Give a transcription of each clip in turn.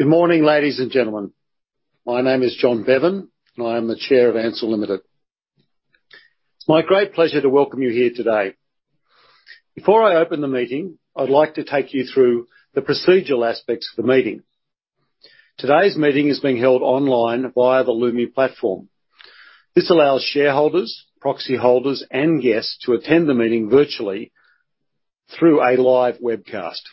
Good morning, ladies and gentlemen. My name is John Bevan, and I am the Chair of Ansell Limited. It's my great pleasure to welcome you here today. Before I open the meeting, I'd like to take you through the procedural aspects of the meeting. Today's meeting is being held online via the Lumi platform. This allows shareholders, proxy holders, and guests to attend the meeting virtually through a live webcast.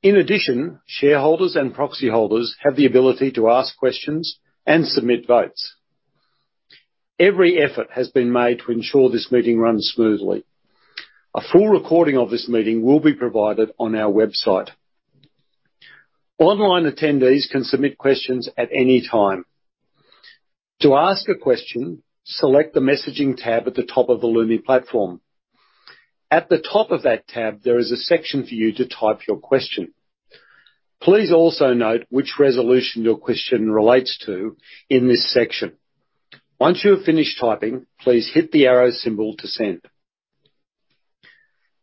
In addition, shareholders and proxy holders have the ability to ask questions and submit votes. Every effort has been made to ensure this meeting runs smoothly. A full recording of this meeting will be provided on our website. Online attendees can submit questions at any time. To ask a question, select the messaging tab at the top of the Lumi platform. At the top of that tab, there is a section for you to type your question. Please also note which resolution your question relates to in this section. Once you have finished typing, please hit the arrow symbol to send.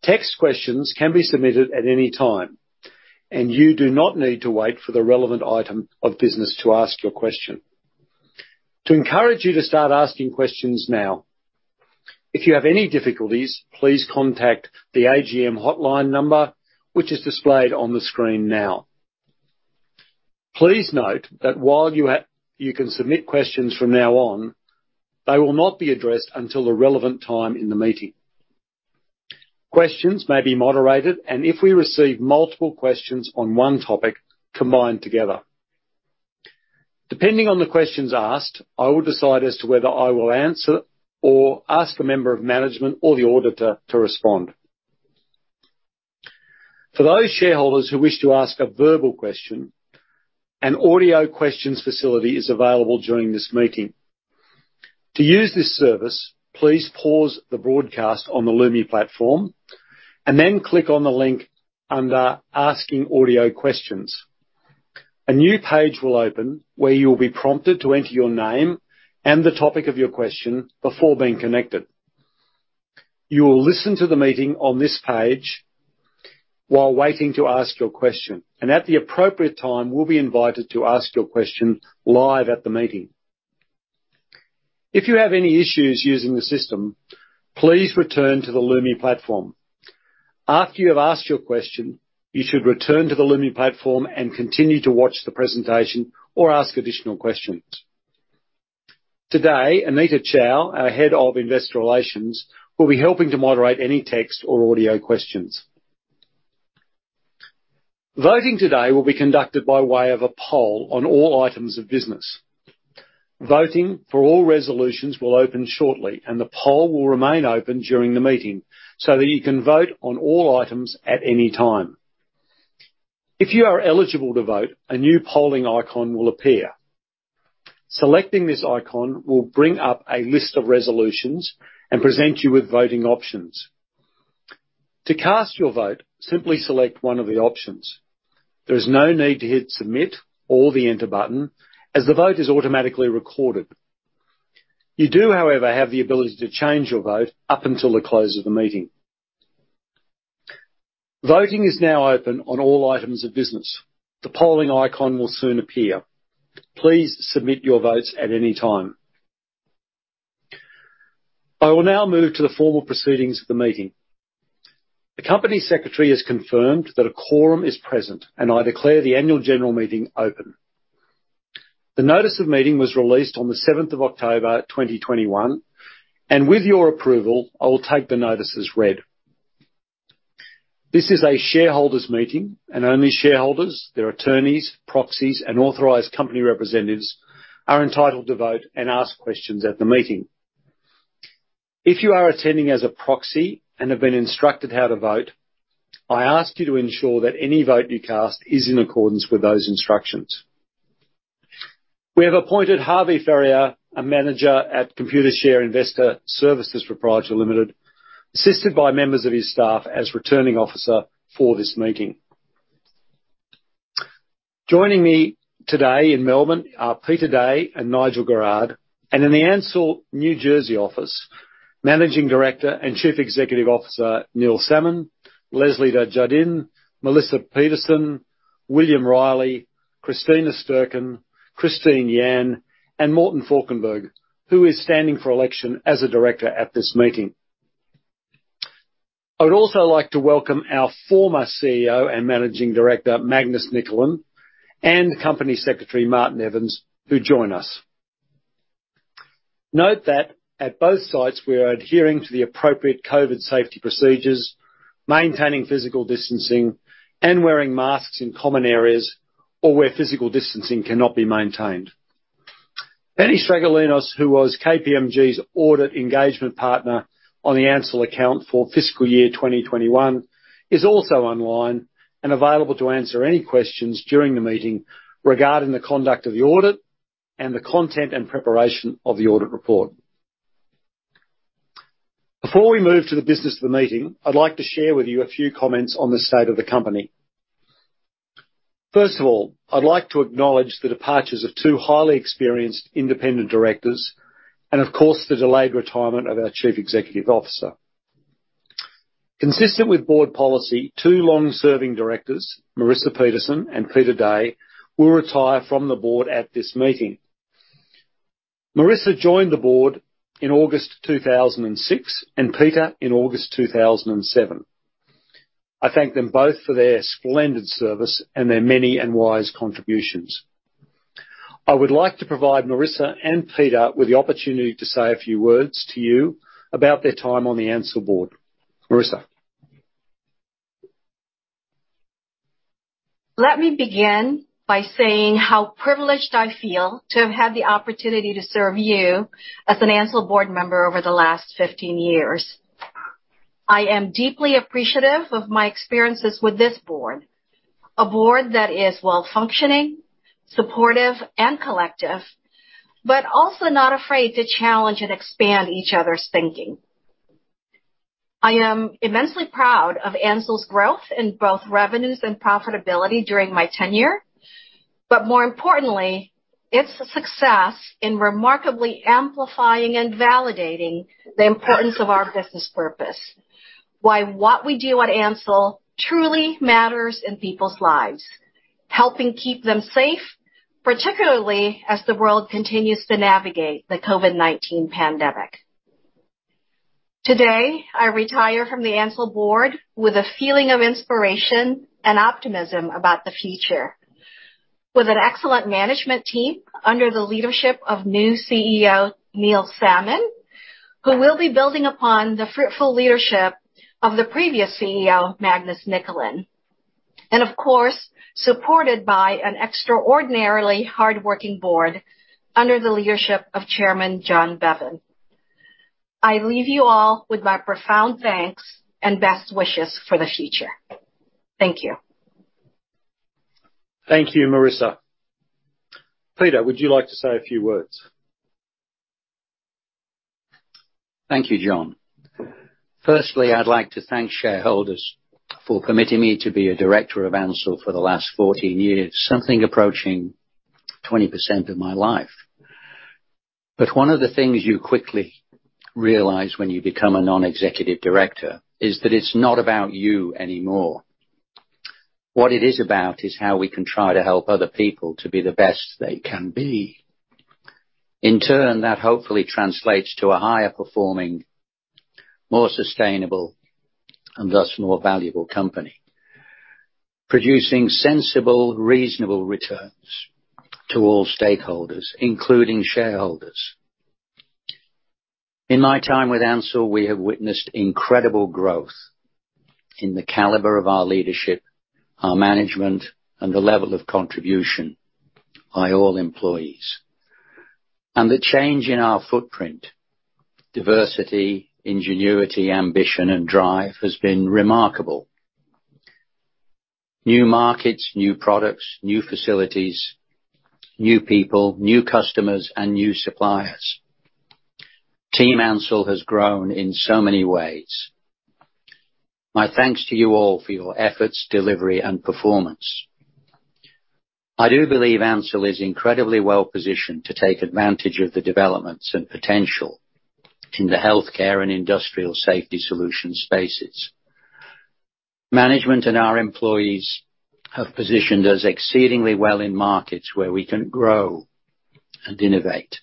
Text questions can be submitted at any time, and you do not need to wait for the relevant item of business to ask your question. To encourage you to start asking questions now. If you have any difficulties, please contact the AGM hotline number, which is displayed on the screen now. Please note that while you can submit questions from now on, they will not be addressed until the relevant time in the meeting. Questions may be moderated, and if we receive multiple questions on one topic, combined together. Depending on the questions asked, I will decide as to whether I will answer or ask a member of management or the auditor to respond. For those shareholders who wish to ask a verbal question, an audio questions facility is available during this meeting. To use this service, please pause the broadcast on the Lumi platform and then click on the link under Asking Audio Questions. A new page will open where you will be prompted to enter your name and the topic of your question before being connected. You will listen to the meeting on this page while waiting to ask your question, and at the appropriate time, will be invited to ask your question live at the meeting. If you have any issues using the system, please return to the Lumi platform. After you have asked your question, you should return to the Lumi platform and continue to watch the presentation or ask additional questions. Today, Anita Chow, our head of investor relations, will be helping to moderate any text or audio questions. Voting today will be conducted by way of a poll on all items of business. Voting for all resolutions will open shortly, and the poll will remain open during the meeting so that you can vote on all items at any time. If you are eligible to vote, a new polling icon will appear. Selecting this icon will bring up a list of resolutions and present you with voting options. To cast your vote, simply select one of the options. There is no need to hit Submit or the Enter button as the vote is automatically recorded. You do, however, have the ability to change your vote up until the close of the meeting. Voting is now open on all items of business. The polling icon will soon appear. Please submit your votes at any time. I will now move to the formal proceedings of the meeting. The Company Secretary has confirmed that a quorum is present, and I declare the Annual General Meeting open. The Notice of Meeting was released on the seventh of October, 2021, and with your approval, I will take the notices read. This is a shareholders' meeting and only shareholders, their attorneys, proxies, and authorized company representatives are entitled to vote and ask questions at the meeting. If you are attending as a proxy and have been instructed how to vote, I ask you to ensure that any vote you cast is in accordance with those instructions. We have appointed Harvey Ferrier, a Manager at Computershare Investor Services Pty Limited, assisted by members of his staff as Returning Officer for this meeting. Joining me today in Melbourne are Peter Day and Nigel Garrard, and in the Ansell New Jersey office, Managing Director and Chief Executive Officer, Neil Salmon, Leslie A. Desjardins, Marissa Peterson, William G. Reilly, Christina Stercken, Christine Yan, and Morten Falkenberg, who is standing for election as a director at this meeting. I would also like to welcome our former CEO and Managing Director, Magnus Nicolin, and Company Secretary, Martin Evans, who join us. Note that at both sites we are adhering to the appropriate COVID safety procedures, maintaining physical distancing and wearing masks in common areas or where physical distancing cannot be maintained. Penny Stragalinos, who was KPMG's Audit Engagement Partner on the Ansell account for fiscal year 2021, is also online and available to answer any questions during the meeting regarding the conduct of the audit and the content and preparation of the audit report. Before we move to the business of the meeting, I'd like to share with you a few comments on the state of the company. First of all, I'd like to acknowledge the departures of two highly experienced independent directors and of course the delayed retirement of our Chief Executive Officer. Consistent with board policy, two long-serving directors, Marissa Peterson and Peter Day, will retire from the board at this meeting. Marissa joined the board in August 2006, and Peter in August 2007. I thank them both for their splendid service and their many and wise contributions. I would like to provide Marissa and Peter with the opportunity to say a few words to you about their time on the Ansell board. Marissa. Let me begin by saying how privileged I feel to have had the opportunity to serve you as an Ansell board member over the last 15 years. I am deeply appreciative of my experiences with this board, a board that is well-functioning, supportive and collective, but also not afraid to challenge and expand each other's thinking. I am immensely proud of Ansell's growth in both revenues and profitability during my tenure, but more importantly, its success in remarkably amplifying and validating the importance of our business purpose. Why what we do at Ansell truly matters in people's lives, helping keep them safe, particularly as the world continues to navigate the COVID-19 pandemic. Today, I retire from the Ansell board with a feeling of inspiration and optimism about the future. With an excellent management team under the leadership of new CEO Neil Salmon, who will be building upon the fruitful leadership of the previous CEO Magnus Nicolin, and of course, supported by an extraordinarily hardworking board under the leadership of Chairman John Bevan. I leave you all with my profound thanks and best wishes for the future. Thank you. Thank you, Marissa. Peter, would you like to say a few words? Thank you, John. Firstly, I'd like to thank shareholders for permitting me to be a director of Ansell for the last 14 years, something approaching 20% of my life. One of the things you quickly realize when you become a non-executive director is that it's not about you anymore. What it is about is how we can try to help other people to be the best they can be. In turn, that hopefully translates to a higher performing, more sustainable and thus more valuable company. Producing sensible, reasonable returns to all stakeholders, including shareholders. In my time with Ansell, we have witnessed incredible growth in the caliber of our leadership, our management, and the level of contribution by all employees. The change in our footprint, diversity, ingenuity, ambition and drive has been remarkable. New markets, new products, new facilities, new people, new customers and new suppliers. Team Ansell has grown in so many ways. My thanks to you all for your efforts, delivery and performance. I do believe Ansell is incredibly well-positioned to take advantage of the developments and potential in the healthcare and industrial safety solution spaces. Management and our employees have positioned us exceedingly well in markets where we can grow and innovate.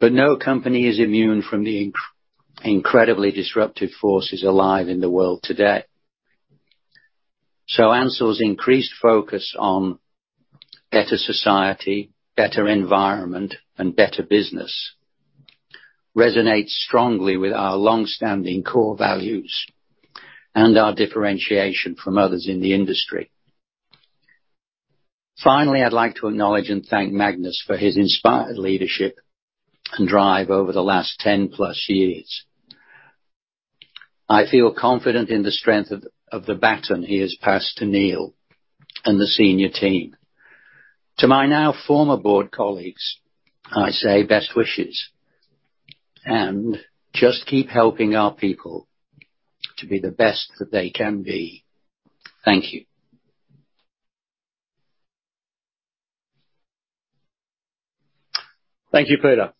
No company is immune from the incredibly disruptive forces alive in the world today. Ansell's increased focus on better society, better environment and better business resonates strongly with our long-standing core values and our differentiation from others in the industry. Finally, I'd like to acknowledge and thank Magnus for his inspired leadership and drive over the last 10+ years. I feel confident in the strength of the baton he has passed to Neil and the senior team. To my now former board colleagues, I say best wishes and just keep helping our people to be the best that they can be. Thank you. Thank you, Peter.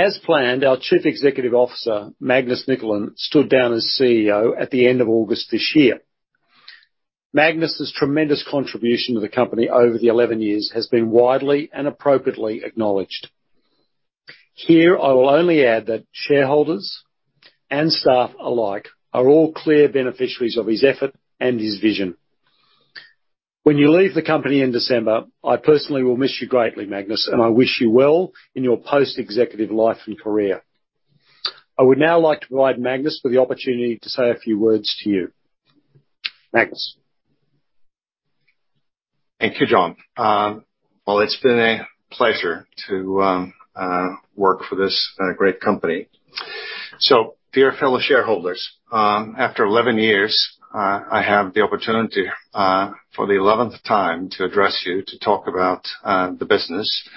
As planned, our Chief Executive Officer, Magnus Nicolin, stood down as CEO at the end of August this year. Magnus' tremendous contribution to the company over the 11 years has been widely and appropriately acknowledged. Here, I will only add that shareholders and staff alike are all clear beneficiaries of his effort and his vision. When you leave the company in December, I personally will miss you greatly, Magnus, and I wish you well in your post-executive life and career. I would now like to provide Magnus with the opportunity to say a few words to you. Magnus. Thank you, John. Well, it's been a pleasure to work for this great company. Dear fellow shareholders, after 11 years, I have the opportunity, for the eleventh time, to address you to talk about the business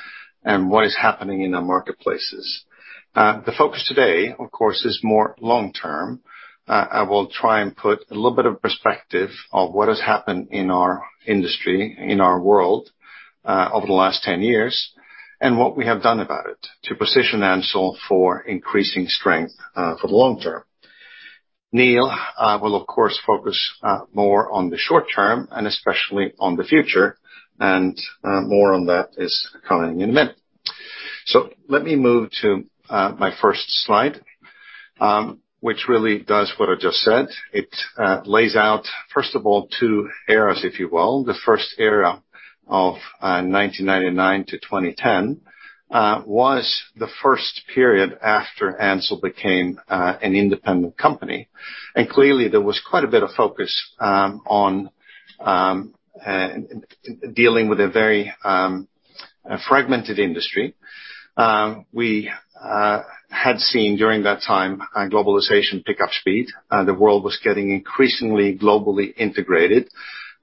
and what is happening in our marketplaces. The focus today, of course, is more long-term. I will try and put a little bit of perspective of what has happened in our industry, in our world, over the last 10 years, and what we have done about it to position Ansell for increasing strength, for the long term. Neil will of course focus more on the short term and especially on the future and, more on that is coming in a minute. Let me move to my first slide, which really does what I just said. It lays out, first of all, two eras, if you will. The first era of 1999 to 2010 was the first period after Ansell became an independent company. Clearly, there was quite a bit of focus on dealing with a very fragmented industry. We had seen during that time globalization pick up speed. The world was getting increasingly globally integrated.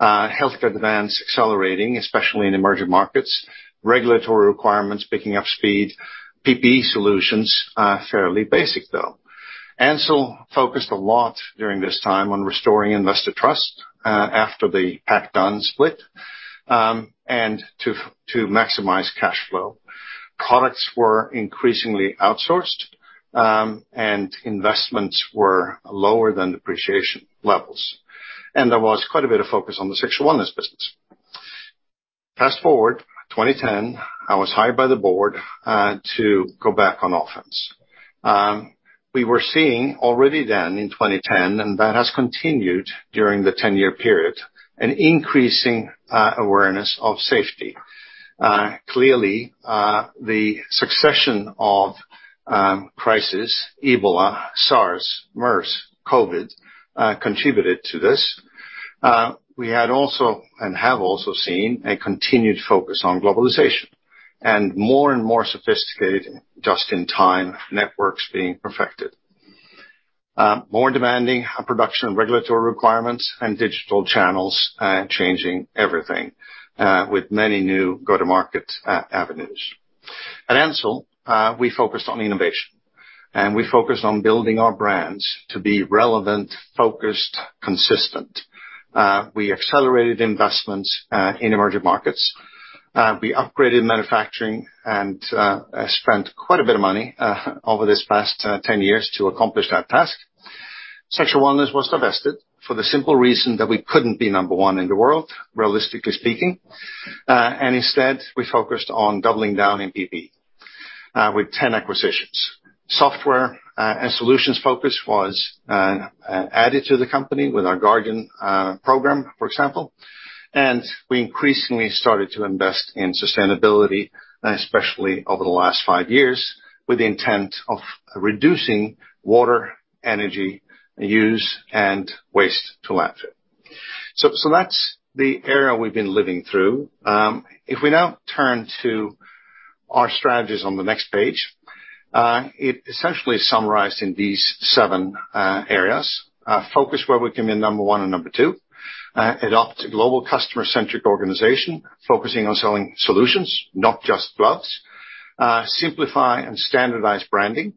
Healthcare demands accelerating, especially in emerging markets, regulatory requirements picking up speed, PPE solutions are fairly basic, though. Ansell focused a lot during this time on restoring investor trust after the PacDun split and to maximize cash flow. Products were increasingly outsourced and investments were lower than depreciation levels. There was quite a bit of focus on the Sexual Wellness business. Fast-forward 2010, I was hired by the board to go back on offense. We were seeing already then in 2010, and that has continued during the ten-year period, an increasing awareness of safety. Clearly, the succession of crisis, Ebola, SARS, MERS, COVID contributed to this. We had also and have also seen a continued focus on globalization and more and more sophisticated just-in-time networks being perfected. More demanding production regulatory requirements and digital channels changing everything with many new go-to-market avenues. At Ansell, we focused on innovation, and we focused on building our brands to be relevant, focused, consistent. We accelerated investments in emerging markets. We upgraded manufacturing and spent quite a bit of money over this past ten years to accomplish that task. Sexual Wellness was divested for the simple reason that we couldn't be number one in the world, realistically speaking. Instead, we focused on doubling down in PPE with 10 acquisitions. Software and solutions focus was added to the company with our Guardian program, for example. We increasingly started to invest in sustainability, especially over the last five years, with the intent of reducing water, energy use and waste to landfill. That's the era we've been living through. If we now turn to our strategies on the next page, it essentially is summarized in these seven areas. Focus where we can be number one and number two. Adopt a global customer-centric organization focusing on selling solutions, not just gloves. Simplify and standardize branding.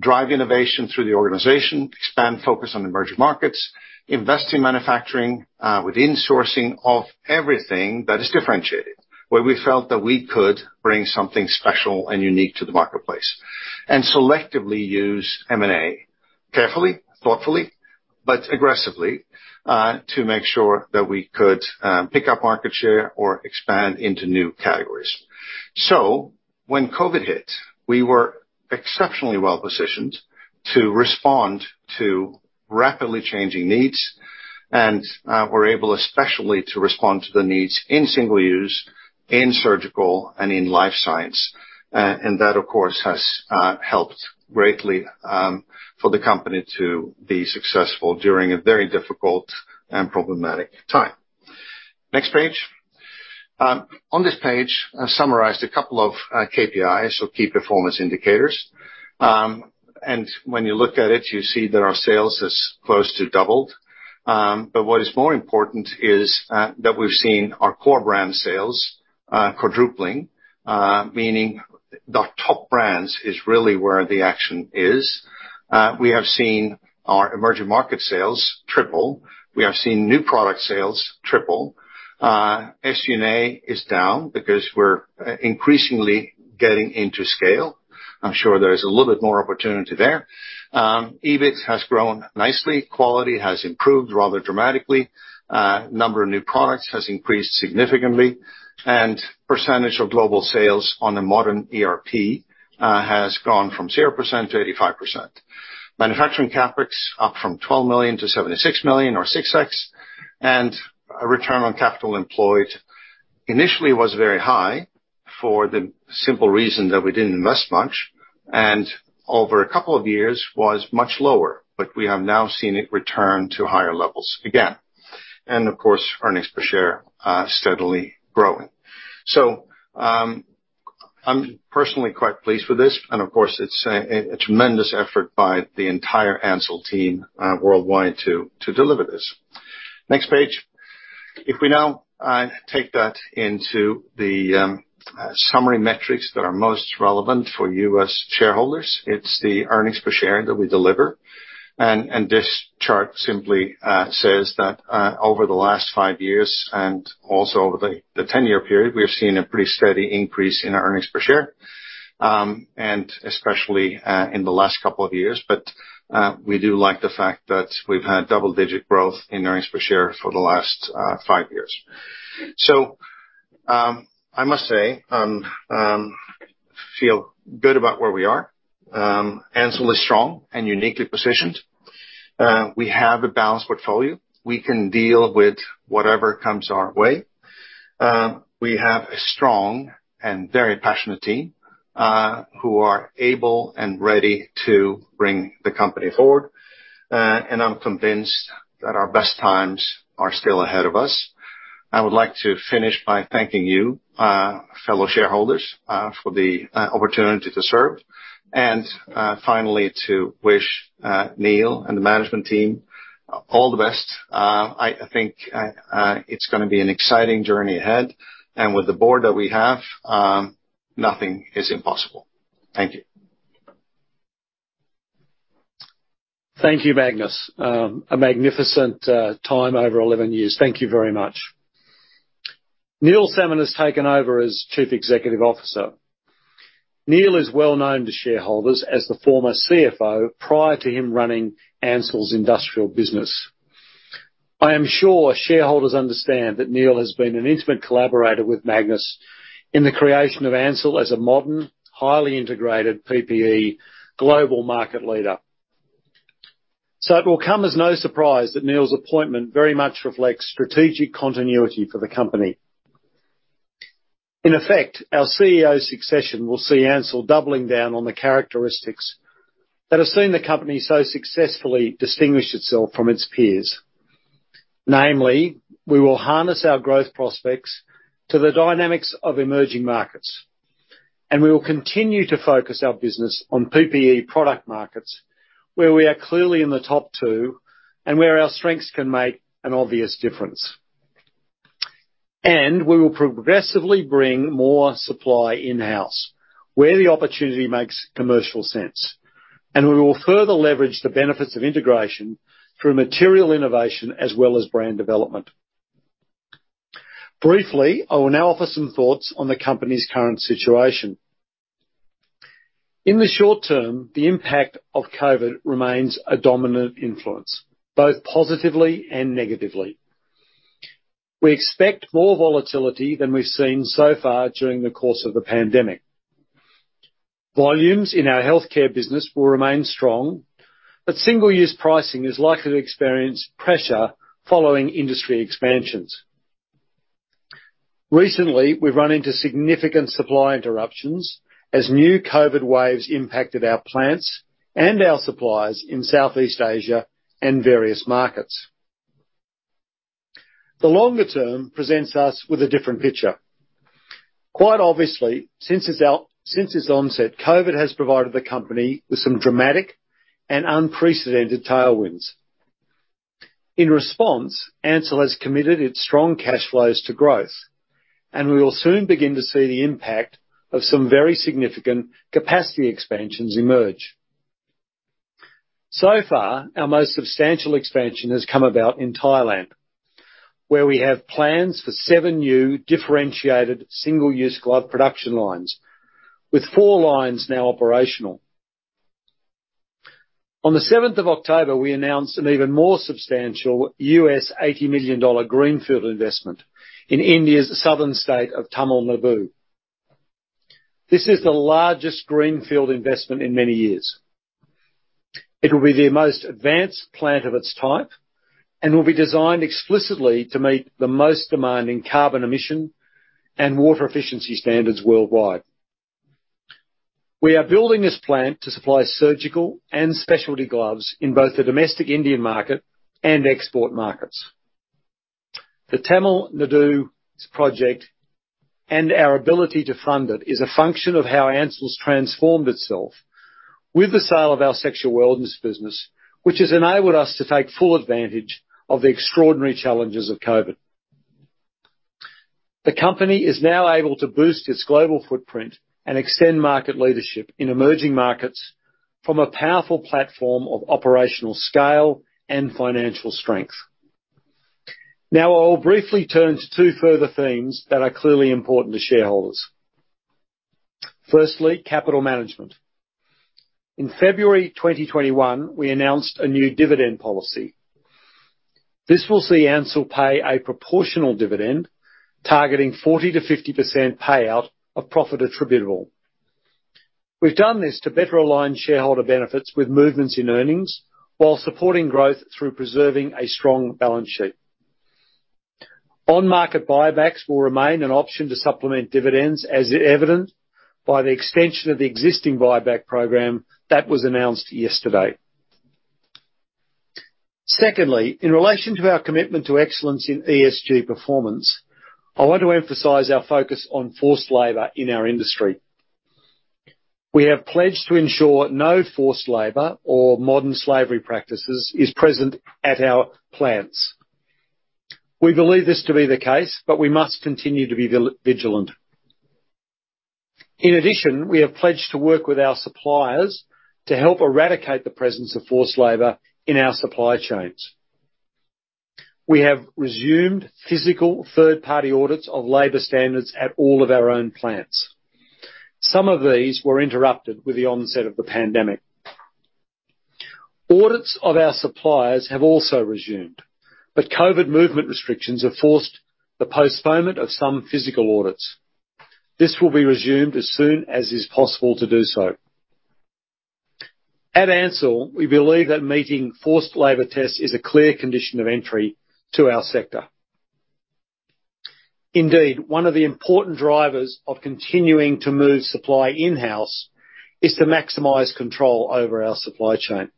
Drive innovation through the organization. Expand focus on emerging markets. Invest in manufacturing, with insourcing of everything that is differentiated, where we felt that we could bring something special and unique to the marketplace. Selectively use M&A carefully, thoughtfully, but aggressively, to make sure that we could pick up market share or expand into new categories. When COVID hit, we were exceptionally well-positioned to respond to rapidly changing needs and we're able especially to respond to the needs in single-use, in surgical, and in life science. That, of course, has helped greatly for the company to be successful during a very difficult and problematic time. Next page. On this page, I've summarized a couple of KPIs or key performance indicators. When you look at it, you see that our sales has close to doubled. What is more important is that we've seen our core brand sales quadrupling, meaning the top brands is really where the action is. We have seen our emerging market sales triple. We have seen new product sales triple. SG&A is down because we're increasingly getting into scale. I'm sure there is a little bit more opportunity there. EBIT has grown nicely. Quality has improved rather dramatically. Number of new products has increased significantly. Percentage of global sales on a modern ERP has gone from 0% to 85%. Manufacturing CapEx up from 12 million to 76 million or 6x. A return on capital employed initially was very high for the simple reason that we didn't invest much, and over a couple of years was much lower. We have now seen it return to higher levels again. Of course, earnings per share are steadily growing. I'm personally quite pleased with this, and of course, it's a tremendous effort by the entire Ansell team worldwide to deliver this. Next page. If we now take that into the summary metrics that are most relevant for U.S. shareholders, it's the earnings per share that we deliver. This chart simply says that over the last five years and also over the 10-year period, we have seen a pretty steady increase in our earnings per share. Especially in the last couple of years. We do like the fact that we've had double-digit growth in earnings per share for the last five years. I must say I feel good about where we are. Ansell is strong and uniquely positioned. We have a balanced portfolio. We can deal with whatever comes our way. We have a strong and very passionate team who are able and ready to bring the company forward. I'm convinced that our best times are still ahead of us. I would like to finish by thanking you, fellow shareholders, for the opportunity to serve and finally to wish Neil and the management team all the best. I think it's gonna be an exciting journey ahead, and with the board that we have, nothing is impossible. Thank you. Thank you, Magnus. A magnificent time over 11 years. Thank you very much. Neil Salmon has taken over as Chief Executive Officer. Neil is well-known to shareholders as the former CFO prior to him running Ansell's industrial business. I am sure shareholders understand that Neil has been an intimate collaborator with Magnus in the creation of Ansell as a modern, highly integrated PPE global market leader. It will come as no surprise that Neil's appointment very much reflects strategic continuity for the company. In effect, our CEO succession will see Ansell doubling down on the characteristics that have seen the company so successfully distinguish itself from its peers. Namely, we will harness our growth prospects to the dynamics of emerging markets, and we will continue to focus our business on PPE product markets where we are clearly in the top two and where our strengths can make an obvious difference. We will progressively bring more supply in-house where the opportunity makes commercial sense, and we will further leverage the benefits of integration through material innovation as well as brand development. Briefly, I will now offer some thoughts on the company's current situation. In the short term, the impact of COVID remains a dominant influence, both positively and negatively. We expect more volatility than we've seen so far during the course of the pandemic. Volumes in our healthcare business will remain strong, but single-use pricing is likely to experience pressure following industry expansions. Recently, we've run into significant supply interruptions as new COVID waves impacted our plants and our suppliers in Southeast Asia and various markets. The longer term presents us with a different picture. Quite obviously, since its onset, COVID has provided the company with some dramatic and unprecedented tailwinds. In response, Ansell has committed its strong cash flows to growth, and we will soon begin to see the impact of some very significant capacity expansions emerge. So far, our most substantial expansion has come about in Thailand, where we have plans for seven new differentiated single-use glove production lines, with four lines now operational. On the seventh of October, we announced an even more substantial $80 million greenfield investment in India's southern state of Tamil Nadu. This is the largest greenfield investment in many years. It will be the most advanced plant of its type and will be designed explicitly to meet the most demanding carbon emission and water efficiency standards worldwide. We are building this plant to supply surgical and specialty gloves in both the domestic Indian market and export markets. The Tamil Nadu project and our ability to fund it is a function of how Ansell's transformed itself with the sale of our Sexual Wellness business, which has enabled us to take full advantage of the extraordinary challenges of COVID. The company is now able to boost its global footprint and extend market leadership in emerging markets from a powerful platform of operational scale and financial strength. Now, I'll briefly turn to two further themes that are clearly important to shareholders. Firstly, capital management. In February 2021, we announced a new dividend policy. This will see Ansell pay a proportional dividend, targeting 40%-50% payout of profit attributable. We've done this to better align shareholder benefits with movements in earnings while supporting growth through preserving a strong balance sheet. On-market buybacks will remain an option to supplement dividends, as evidenced by the extension of the existing buyback program that was announced yesterday. Secondly, in relation to our commitment to excellence in ESG performance, I want to emphasize our focus on forced labor in our industry. We have pledged to ensure no forced labor or modern slavery practices is present at our plants. We believe this to be the case, but we must continue to be vigilant. In addition, we have pledged to work with our suppliers to help eradicate the presence of forced labor in our supply chains. We have resumed physical third-party audits of labor standards at all of our own plants. Some of these were interrupted with the onset of the pandemic. Audits of our suppliers have also resumed, but COVID movement restrictions have forced the postponement of some physical audits. This will be resumed as soon as is possible to do so. At Ansell, we believe that meeting forced labor tests is a clear condition of entry to our sector. Indeed, one of the important drivers of continuing to move supply in-house is to maximize control over our supply chain.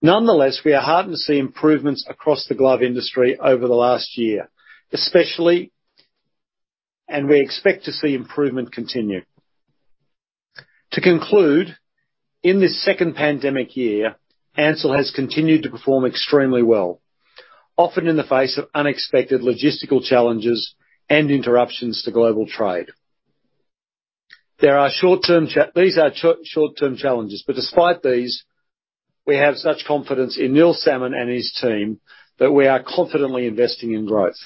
Nonetheless, we are heartened to see improvements across the glove industry over the last year, especially, and we expect to see improvement continue. To conclude, in this second pandemic year, Ansell has continued to perform extremely well, often in the face of unexpected logistical challenges and interruptions to global trade. These are short-term challenges, but despite these, we have such confidence in Neil Salmon and his team that we are confidently investing in growth.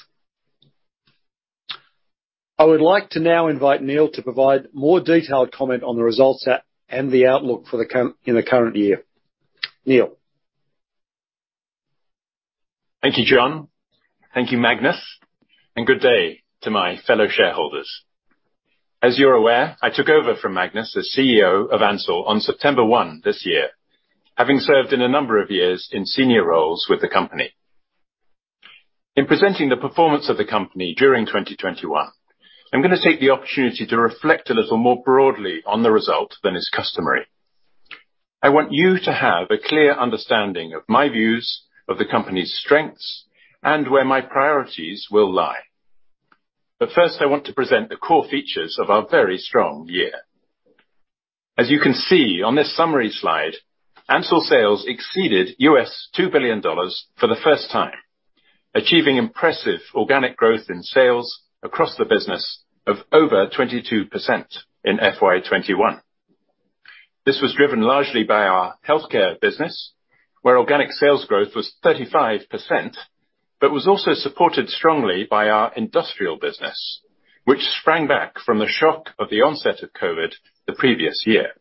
I would like to now invite Neil to provide more detailed comment on the results and the outlook for the current year. Neil. Thank you, John. Thank you, Magnus, and good day to my fellow shareholders. As you're aware, I took over from Magnus as CEO of Ansell on September 1 this year, having served in a number of years in senior roles with the company. In presenting the performance of the company during 2021, I'm gonna take the opportunity to reflect a little more broadly on the result than is I want you to have a clear understanding of my views of the company's strengths and where my priorities will lie. First, I want to present the core features of our very strong year. As you can see on this summary slide, Ansell sales exceeded $2 billion for the first time, achieving impressive organic growth in sales across the business of over 22% in FY 2021. This was driven largely by our healthcare business, where organic sales growth was 35%, but was also supported strongly by our industrial business, which sprang back from the shock of the onset of COVID the previous year.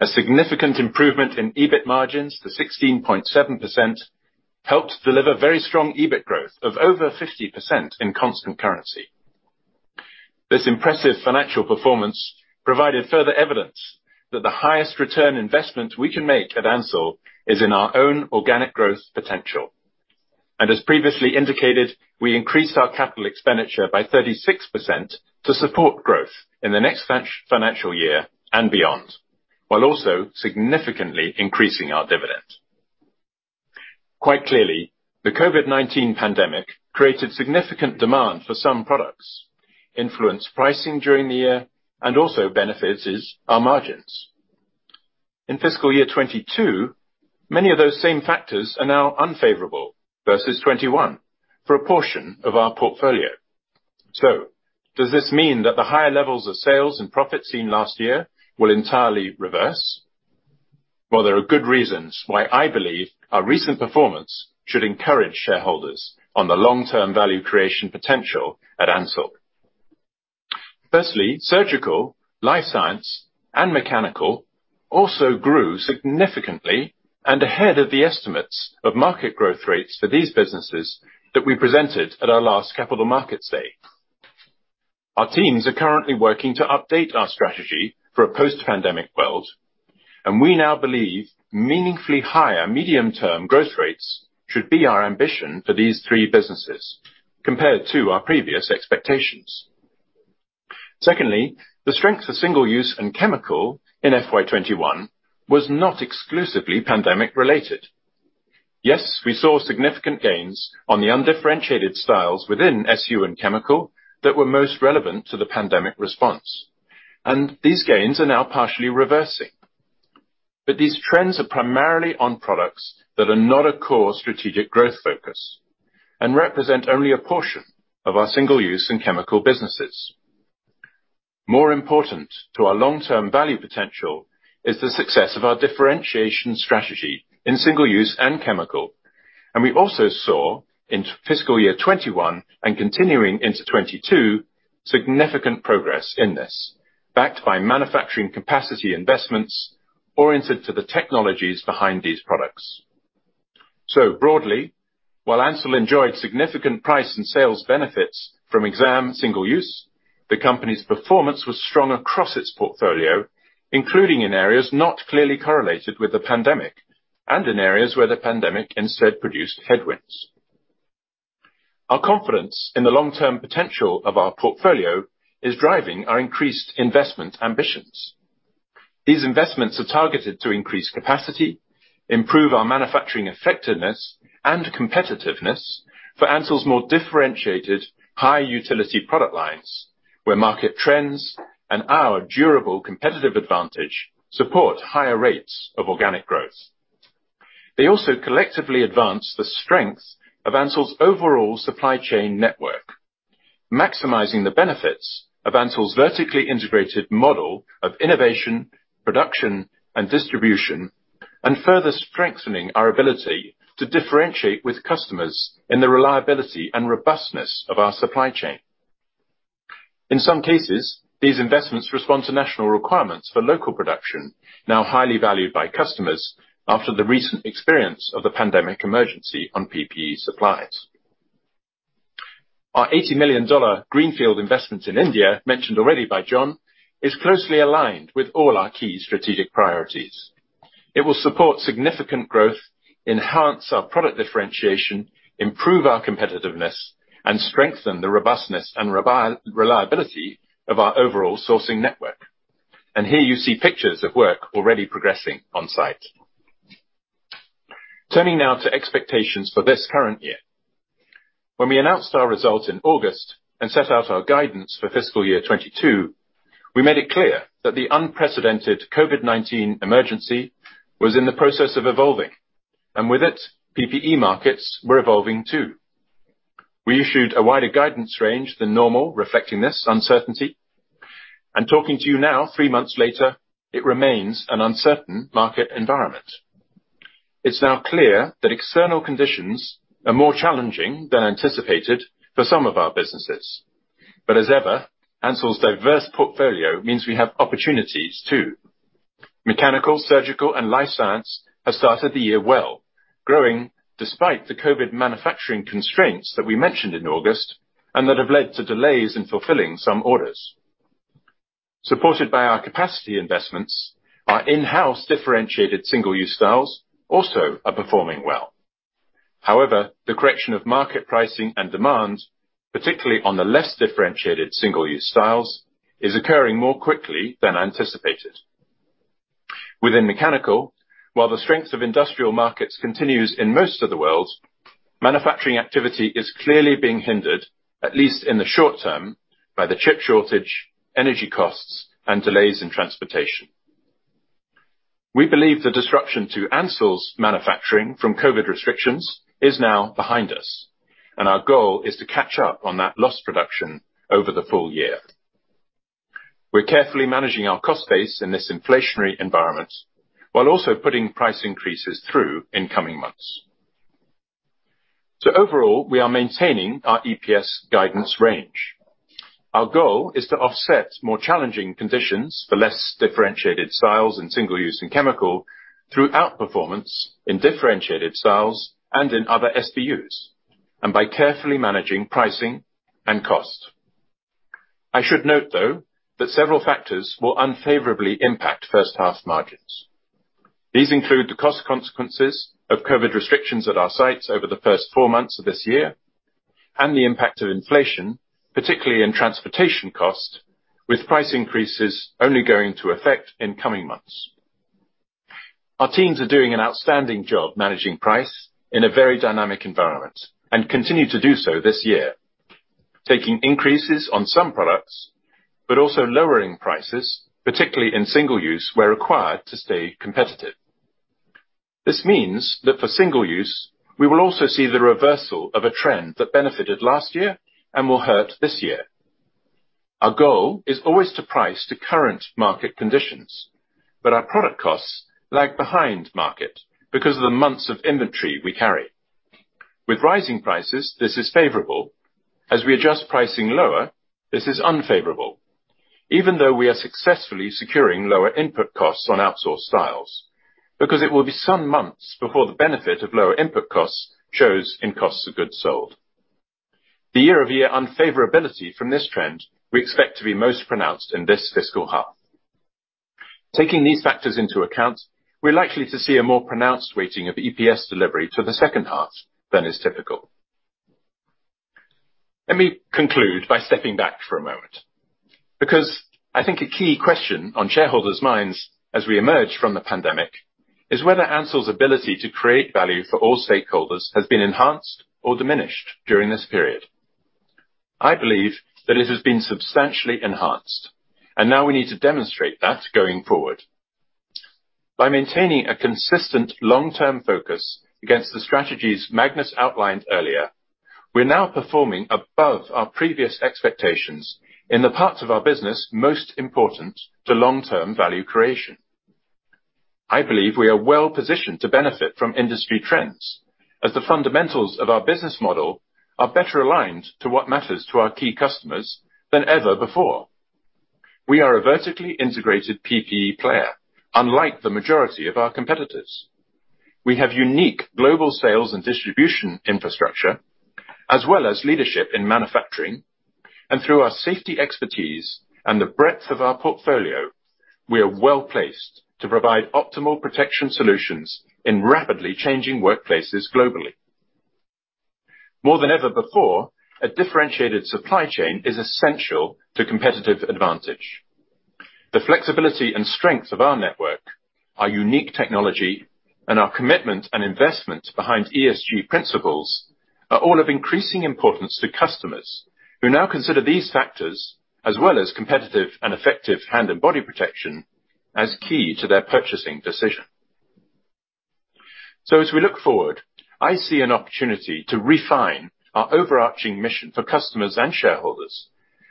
A significant improvement in EBIT margins to 16.7% helped deliver very strong EBIT growth of over 50% in constant currency. This impressive financial performance provided further evidence that the highest return investment we can make at Ansell is in our own organic growth potential. As previously indicated, we increased our capital expenditure by 36% to support growth in the next financial year and beyond, while also significantly increasing our dividend. Quite clearly, the COVID-19 pandemic created significant demand for some products, influenced pricing during the year, and also benefits our margins. In FY 2022, many of those same factors are now unfavorable versus 2021 for a portion of our portfolio. Does this mean that the higher levels of sales and profit seen last year will entirely reverse? Well, there are good reasons why I believe our recent performance should encourage shareholders on the long-term value creation potential at Ansell. Firstly, Surgical, Life Science, and Mechanical also grew significantly and ahead of the estimates of market growth rates for these businesses that we presented at our last Capital Markets Day. Our teams are currently working to update our strategy for a post-pandemic world, and we now believe meaningfully higher medium-term growth rates should be our ambition for these three businesses compared to our previous expectations. Secondly, the strength of Single-Use and Chemical in FY 2021 was not exclusively pandemic-related. Yes, we saw significant gains on the undifferentiated styles within SU and chemical that were most relevant to the pandemic response, and these gains are now partially reversing. These trends are primarily on products that are not a core strategic growth focus and represent only a portion of our single-use and chemical businesses. More important to our long-term value potential is the success of our differentiation strategy in single use and chemical. We also saw in fiscal year 2021 and continuing into 2022, significant progress in this, backed by manufacturing capacity investments oriented to the technologies behind these products. Broadly, while Ansell enjoyed significant price and sales benefits from exam single use, the company's performance was strong across its portfolio, including in areas not clearly correlated with the pandemic and in areas where the pandemic instead produced headwinds. Our confidence in the long-term potential of our portfolio is driving our increased investment ambitions. These investments are targeted to increase capacity, improve our manufacturing effectiveness and competitiveness for Ansell's more differentiated high utility product lines, where market trends and our durable competitive advantage support higher rates of organic growth. They also collectively advance the strength of Ansell's overall supply chain network, maximizing the benefits of Ansell's vertically integrated model of innovation, production, and distribution, and further strengthening our ability to differentiate with customers in the reliability and robustness of our supply chain. In some cases, these investments respond to national requirements for local production, now highly valued by customers after the recent experience of the pandemic emergency on PPE supplies. Our 80 million dollar greenfield investment in India, mentioned already by John, is closely aligned with all our key strategic priorities. It will support significant growth, enhance our product differentiation, improve our competitiveness, and strengthen the robustness and reliability of our overall sourcing network. Here you see pictures of work already progressing on-site. Turning now to expectations for this current year. When we announced our results in August and set out our guidance for FY 2022, we made it clear that the unprecedented COVID-19 emergency was in the process of evolving, and with it, PPE markets were evolving too. We issued a wider guidance range than normal, reflecting this uncertainty. Talking to you now, three months later, it remains an uncertain market environment. It's now clear that external conditions are more challenging than anticipated for some of our businesses. As ever, Ansell's diverse portfolio means we have opportunities too. Mechanical, surgical, and life science have started the year well, growing despite the COVID manufacturing constraints that we mentioned in August, and that have led to delays in fulfilling some orders. Supported by our capacity investments, our in-house differentiated single-use styles also are performing well. However, the correction of market pricing and demand, particularly on the less differentiated single-use styles, is occurring more quickly than anticipated. Within mechanical, while the strength of industrial markets continues in most of the world, manufacturing activity is clearly being hindered, at least in the short term, by the chip shortage, energy costs, and delays in transportation. We believe the disruption to Ansell's manufacturing from COVID restrictions is now behind us, and our goal is to catch up on that lost production over the full year. We're carefully managing our cost base in this inflationary environment while also putting price increases through in coming months. Overall, we are maintaining our EPS guidance range. Our goal is to offset more challenging conditions for less differentiated styles in single-use and chemical through outperformance in differentiated styles and in other SBUs, and by carefully managing pricing and cost. I should note, though, that several factors will unfavorably impact H1 margins. These include the cost consequences of COVID restrictions at our sites over the first four months of this year, and the impact of inflation, particularly in transportation costs, with price increases only going to take effect in coming months. Our teams are doing an outstanding job managing price in a very dynamic environment and continue to do so this year, taking increases on some products, but also lowering prices, particularly in single-use, where required to stay competitive. This means that for single-use, we will also see the reversal of a trend that benefited last year and will hurt this year. Our goal is always to price to current market conditions, but our product costs lag behind market because of the months of inventory we carry. With rising prices, this is favorable. As we adjust pricing lower, this is unfavorable, even though we are successfully securing lower input costs on outsourced styles, because it will be some months before the benefit of lower input costs shows in cost of goods sold. The year-over-year unfavorability from this trend we expect to be most pronounced in this fiscal half. Taking these factors into account, we're likely to see a more pronounced weighting of EPS delivery to the H2 than is typical. Let me conclude by stepping back for a moment, because I think a key question on shareholders' minds as we emerge from the pandemic is whether Ansell's ability to create value for all stakeholders has been enhanced or diminished during this period. I believe that it has been substantially enhanced, and now we need to demonstrate that going forward. By maintaining a consistent long-term focus against the strategies Magnus outlined earlier, we're now performing above our previous expectations in the parts of our business most important to long-term value creation. I believe we are well-positioned to benefit from industry trends as the fundamentals of our business model are better aligned to what matters to our key customers than ever before. We are a vertically integrated PPE player, unlike the majority of our competitors. We have unique global sales and distribution infrastructure, as well as leadership in manufacturing. Through our safety expertise and the breadth of our portfolio, we are well-placed to provide optimal protection solutions in rapidly changing workplaces globally. More than ever before, a differentiated supply chain is essential to competitive advantage. The flexibility and strength of our network, our unique technology, and our commitment and investment behind ESG principles are all of increasing importance to customers who now consider these factors, as well as competitive and effective hand and body protection as key to their purchasing decision. As we look forward, I see an opportunity to refine our overarching mission for customers and shareholders,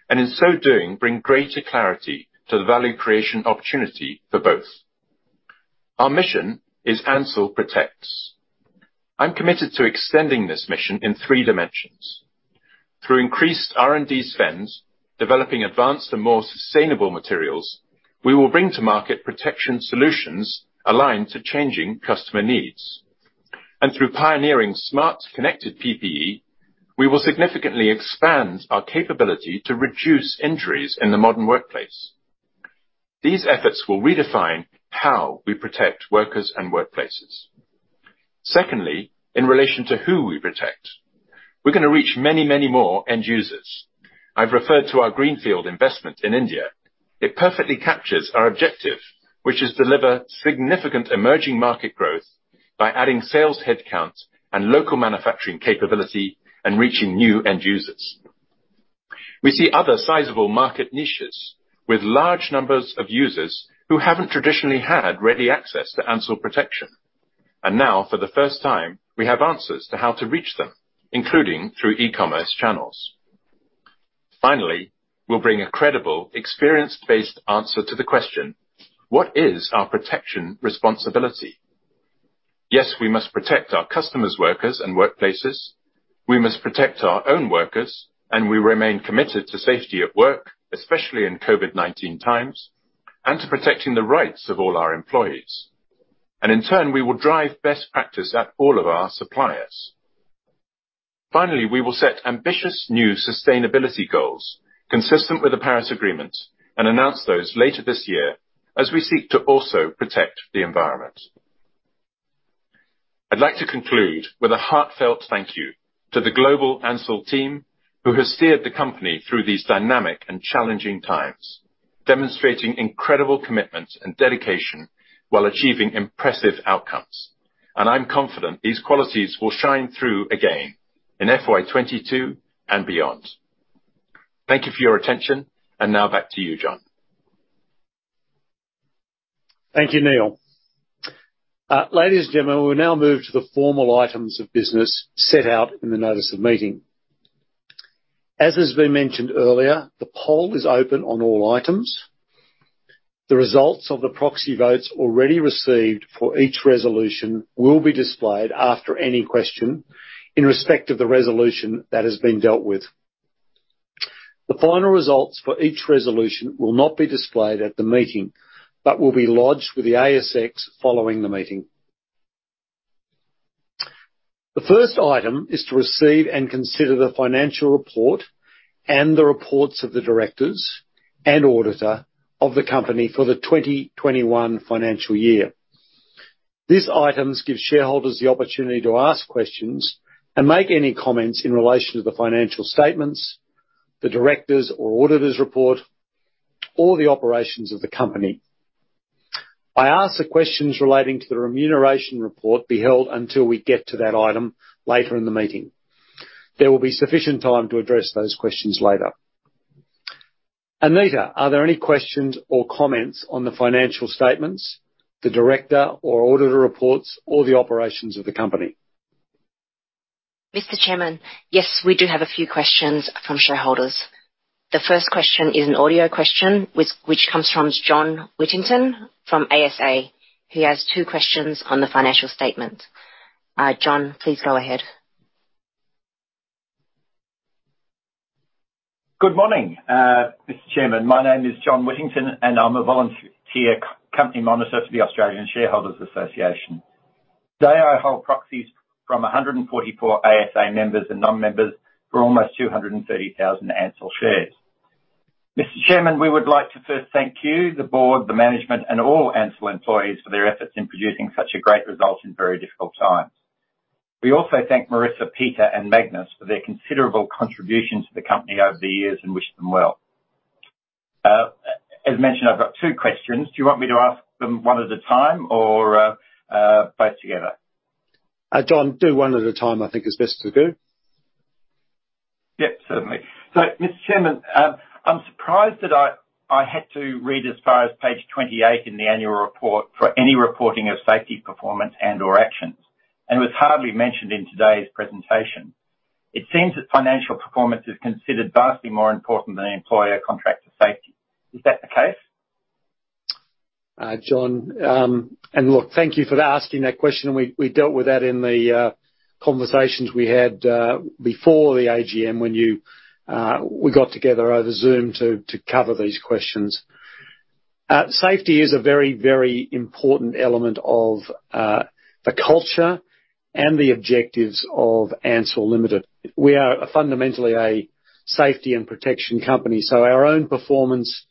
and in so doing, bring greater clarity to the value creation opportunity for both. Our mission is Ansell protects. I'm committed to extending this mission in three dimensions. Through increased R&D spends, developing advanced and more sustainable materials, we will bring to market protection solutions aligned to changing customer needs. Through pioneering smart, connected PPE, we will significantly expand our capability to reduce injuries in the modern workplace. These efforts will redefine how we protect workers and workplaces. Secondly, in relation to who we protect, we're gonna reach many, many more end users. I've referred to our greenfield investment in India. It perfectly captures our objective, which is deliver significant emerging market growth by adding sales headcount and local manufacturing capability and reaching new end users. We see other sizable market niches with large numbers of users who haven't traditionally had ready access to Ansell protection. Now, for the first time, we have answers to how to reach them, including through e-commerce channels. Finally, we'll bring a credible, experience-based answer to the question, What is our protection responsibility? Yes, we must protect our customers, workers, and workplaces, we must protect our own workers, and we remain committed to safety at work, especially in COVID-19 times, and to protecting the rights of all our employees. In turn, we will drive best practice at all of our suppliers. Finally, we will set ambitious new sustainability goals consistent with the Paris Agreement and announce those later this year as we seek to also protect the environment. I'd like to conclude with a heartfelt thank you to the global Ansell team who has steered the company through these dynamic and challenging times, demonstrating incredible commitment and dedication while achieving impressive outcomes. I'm confident these qualities will shine through again in FY 2022 and beyond. Thank you for your attention. Now back to you, John. Thank you, Neil. Ladies and gentlemen, we now move to the formal items of business set out in the notice of meeting. As has been mentioned earlier, the poll is open on all items. The results of the proxy votes already received for each resolution will be displayed after any question in respect of the resolution that has been dealt with. The final results for each resolution will not be displayed at the meeting, but will be lodged with the ASX following the meeting. The first item is to receive and consider the financial report and the reports of the directors and auditor of the company for the 2021 financial year. These items give shareholders the opportunity to ask questions and make any comments in relation to the financial statements, the directors' or auditor's report, or the operations of the company. I ask the questions relating to the remuneration report be held until we get to that item later in the meeting. There will be sufficient time to address those questions later. Anita, are there any questions or comments on the financial statements, the director or auditor reports, or the operations of the company? Mr. Chairman, yes, we do have a few questions from shareholders. The first question is an audio question which comes from John Whittington from ASA. He has two questions on the financial statement. John, please go ahead. Good morning, Mr. Chairman. My name is John Whittington, and I'm a volunteer company monitor for the Australian Shareholders' Association. Today, I hold proxies from 144 ASA members and non-members for almost 230,000 Ansell shares. Mr. Chairman, we would like to first thank you, the board, the management and all Ansell employees for their efforts in producing such a great result in very difficult times. We also thank Marissa, Peter and Magnus for their considerable contribution to the company over the years and wish them well. As mentioned, I've got two questions. Do you want me to ask them one at a time or both together? John, do one at a time, I think is best to do. Yep, certainly. Mr. Chairman, I'm surprised that I had to read as far as page 28 in the annual report for any reporting of safety, performance, and/or actions, and was hardly mentioned in today's presentation. It seems that financial performance is considered vastly more important than employee commitment to safety. Is that the case? John, look, thank you for asking that question. We dealt with that in the conversations we had before the AGM when we got together over Zoom to cover these questions. Safety is a very important element of the culture and the objectives of Ansell Limited. We are fundamentally a safety and protection company. Our own performance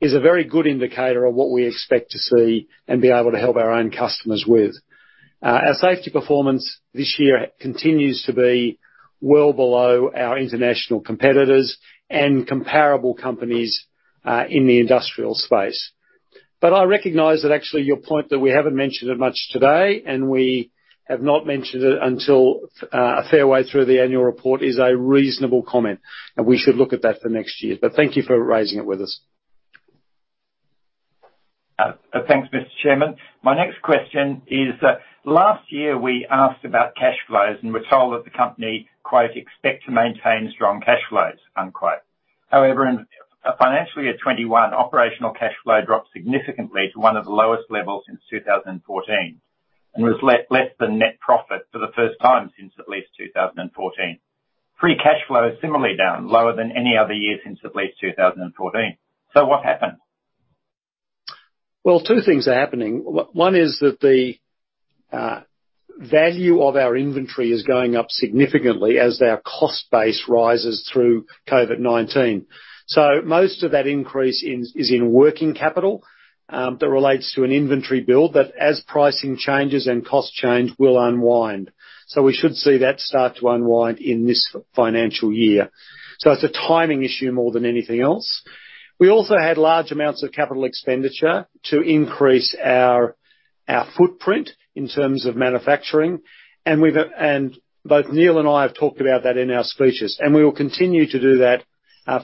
is a very good indicator of what we expect to see and be able to help our own customers with. Our safety performance this year continues to be well below our international competitors and comparable companies in the industrial space. I recognize that actually your point that we haven't mentioned it much today, and we have not mentioned it until a fair way through the annual report is a reasonable comment, and we should look at that for next year. Thank you for raising it with us. Thanks, Mr. Chairman. My next question is, last year we asked about cash flows and were told that the company, quote, "Expect to maintain strong cash flows," unquote. However, in FY 2021, operational cash flow dropped significantly to one of the lowest levels since 2014, and was less than net profit for the first time since at least 2014. Free cash flow is similarly down, lower than any other year since at least 2014. What happened? Well, two things are happening. One is that the value of our inventory is going up significantly as our cost base rises through COVID-19. Most of that increase is in working capital that relates to an inventory build, but as pricing changes and costs change will unwind. We should see that start to unwind in this financial year. It's a timing issue more than anything else. We also had large amounts of capital expenditure to increase our footprint in terms of manufacturing. Both Neil and I have talked about that in our speeches, and we will continue to do that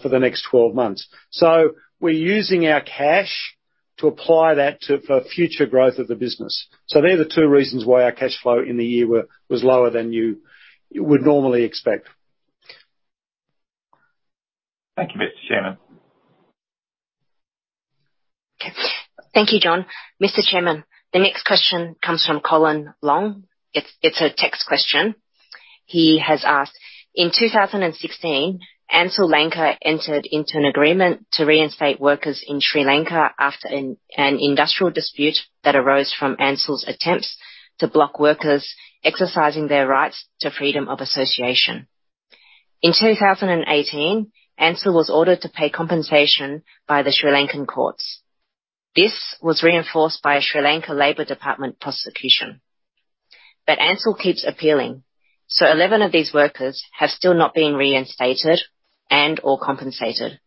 for the next 12 months. We're using our cash to apply that to for future growth of the business. They're the two reasons why our cash flow in the year was lower than you would normally expect. Thank you, Mr. Chairman. Thank you, John. Mr. Chairman, the next question comes from Colin Long. It's a text question. He has asked, in 2016, Ansell Lanka entered into an agreement to reinstate workers in Sri Lanka after an industrial dispute that arose from Ansell's attempts to block workers exercising their rights to freedom of association. In 2018, Ansell was ordered to pay compensation by the Sri Lankan courts. This was reinforced by a Sri Lanka Labour Department prosecution. Ansell keeps appealing, so 11 of these workers have still not been reinstated and/or compensated.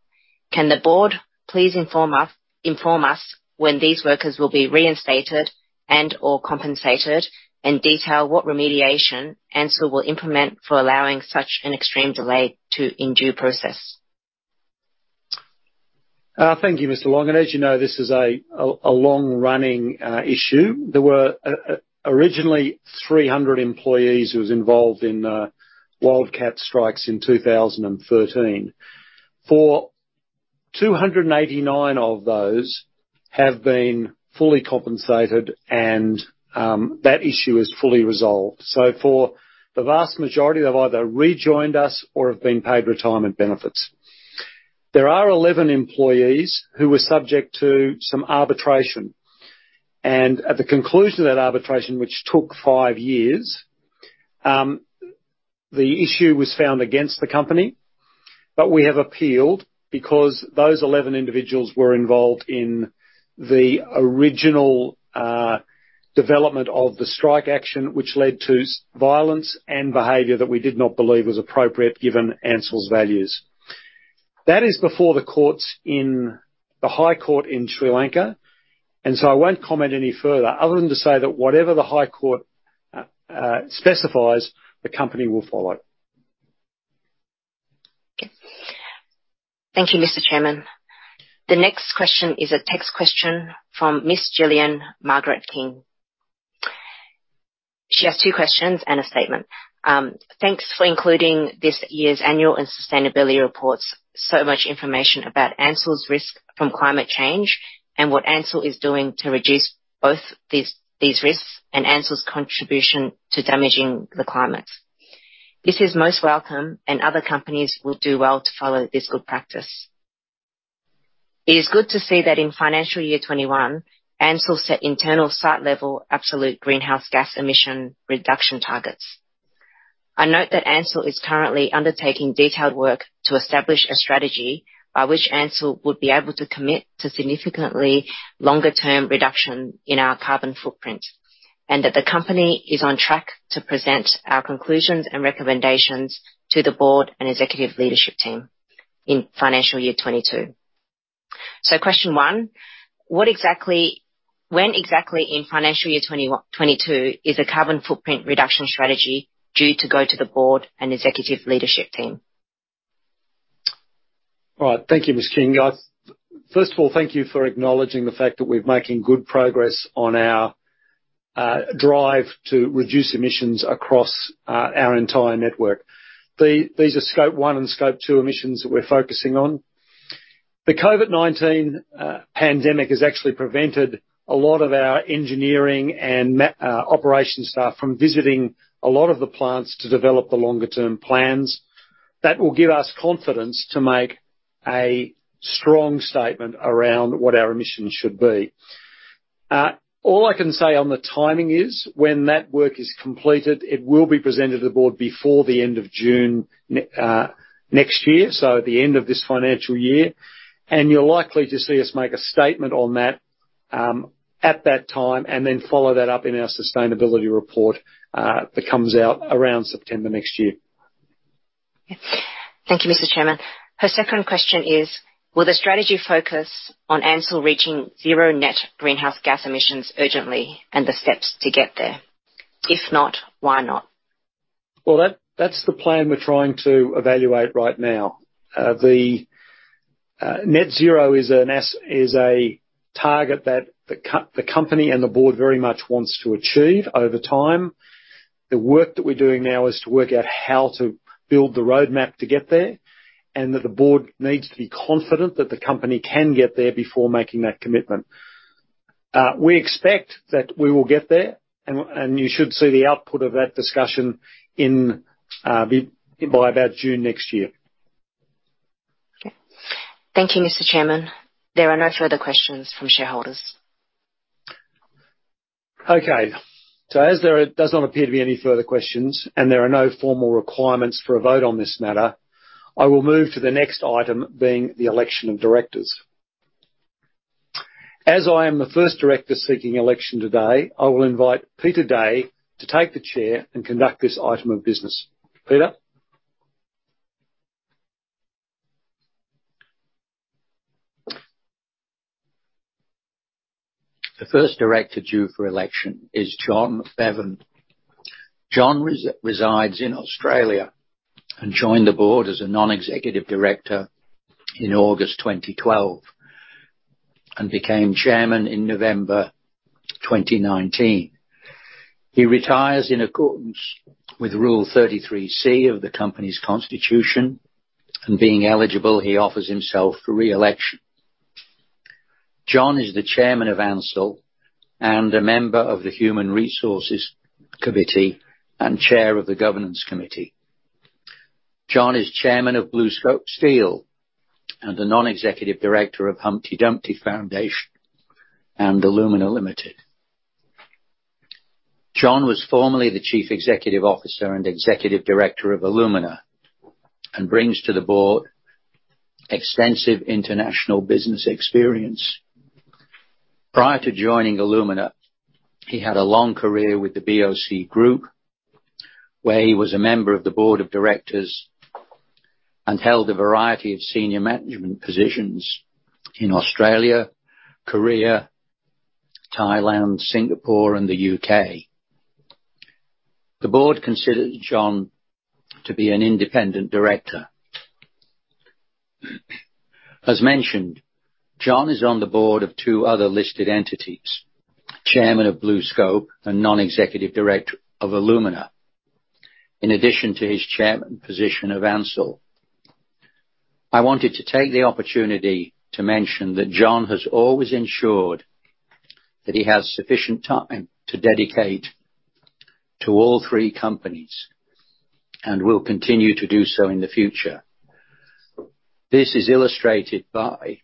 Can the board please inform us when these workers will be reinstated and/or compensated, and detail what remediation Ansell will implement for allowing such an extreme delay to due process? Thank you, Mr. Long. As you know, this is a long-running issue. There were originally 300 employees who was involved in wildcat strikes in 2013. For 289 of those have been fully compensated and that issue is fully resolved. For the vast majority, they've either rejoined us or have been paid retirement benefits. There are 11 employees who were subject to some arbitration. At the conclusion of that arbitration, which took five years, the issue was found against the company, but we have appealed because those 11 individuals were involved in the original development of the strike action, which led to violence and behavior that we did not believe was appropriate given Ansell's values. That is before the courts in the High Court in Sri Lanka, and so I won't comment any further, other than to say that whatever the High Court specifies, the company will follow. Thank you, Mr. Chairman. The next question is a text question from Ms. Jillian Margaret King. She has two questions and a statement. Thanks for including this year's annual and sustainability reports, so much information about Ansell's risk from climate change and what Ansell is doing to reduce both these risks and Ansell's contribution to damaging the climate. This is most welcome, and other companies will do well to follow this good practice. It is good to see that in financial year 2021, Ansell set internal site-level absolute greenhouse gas emission reduction targets. I note that Ansell is currently undertaking detailed work to establish a strategy by which Ansell would be able to commit to significantly longer-term reduction in our carbon footprint, and that the company is on track to present our conclusions and recommendations to the board and executive leadership team in financial year 2022. Question one: When exactly in FY 2022 is a carbon footprint reduction strategy due to go to the board and executive leadership team? All right. Thank you, Ms. King. First of all, thank you for acknowledging the fact that we're making good progress on our drive to reduce emissions across our entire network. These are scope one and scope two emissions that we're focusing on. The COVID-19 pandemic has actually prevented a lot of our engineering and operations staff from visiting a lot of the plants to develop the longer term plans. That will give us confidence to make a strong statement around what our emissions should be. All I can say on the timing is when that work is completed, it will be presented to the board before the end of June next year, so at the end of this financial year. You're likely to see us make a statement on that at that time, and then follow that up in our sustainability report that comes out around September next year. Thank you, Mr. Chairman. Her second question is, will the strategy focus on Ansell reaching zero net greenhouse gas emissions urgently and the steps to get there? If not, why not? Well, that's the plan we're trying to evaluate right now. Net zero is a target that the company and the board very much wants to achieve over time. The work that we're doing now is to work out how to build the roadmap to get there, and that the board needs to be confident that the company can get there before making that commitment. We expect that we will get there, and you should see the output of that discussion by about June next year. Okay. Thank you, Mr. Chairman. There are no further questions from shareholders. Okay. As there does not appear to be any further questions, and there are no formal requirements for a vote on this matter, I will move to the next item being the election of directors. As I am the first director seeking election today, I will invite Peter Day to take the chair and conduct this item of business. Peter? The first director due for election is John Bevan. John resides in Australia, and joined the board as a non-executive director in August 2012, and became Chairman in November 2019. He retires in accordance with Rule 33C of the company's constitution, and being eligible, he offers himself for re-election. John is the Chairman of Ansell and a member of the Human Resources Committee and Chair of the Governance Committee. John is Chairman of BlueScope Steel and a non-executive director of Humpty Dumpty Foundation and Alumina Limited. John was formerly the Chief Executive Officer and Executive Director of Alumina, and brings to the board extensive international business experience. Prior to joining Alumina, he had a long career with the BOC Group, where he was a member of the board of directors and held a variety of senior management positions in Australia, Korea, Thailand, Singapore, and the U.K. The board considers John to be an independent director. As mentioned, John is on the board of two other listed entities, Chairman of BlueScope and non-executive director of Alumina, in addition to his chairman position of Ansell. I wanted to take the opportunity to mention that John has always ensured that he has sufficient time to dedicate to all three companies, and will continue to do so in the future. This is illustrated by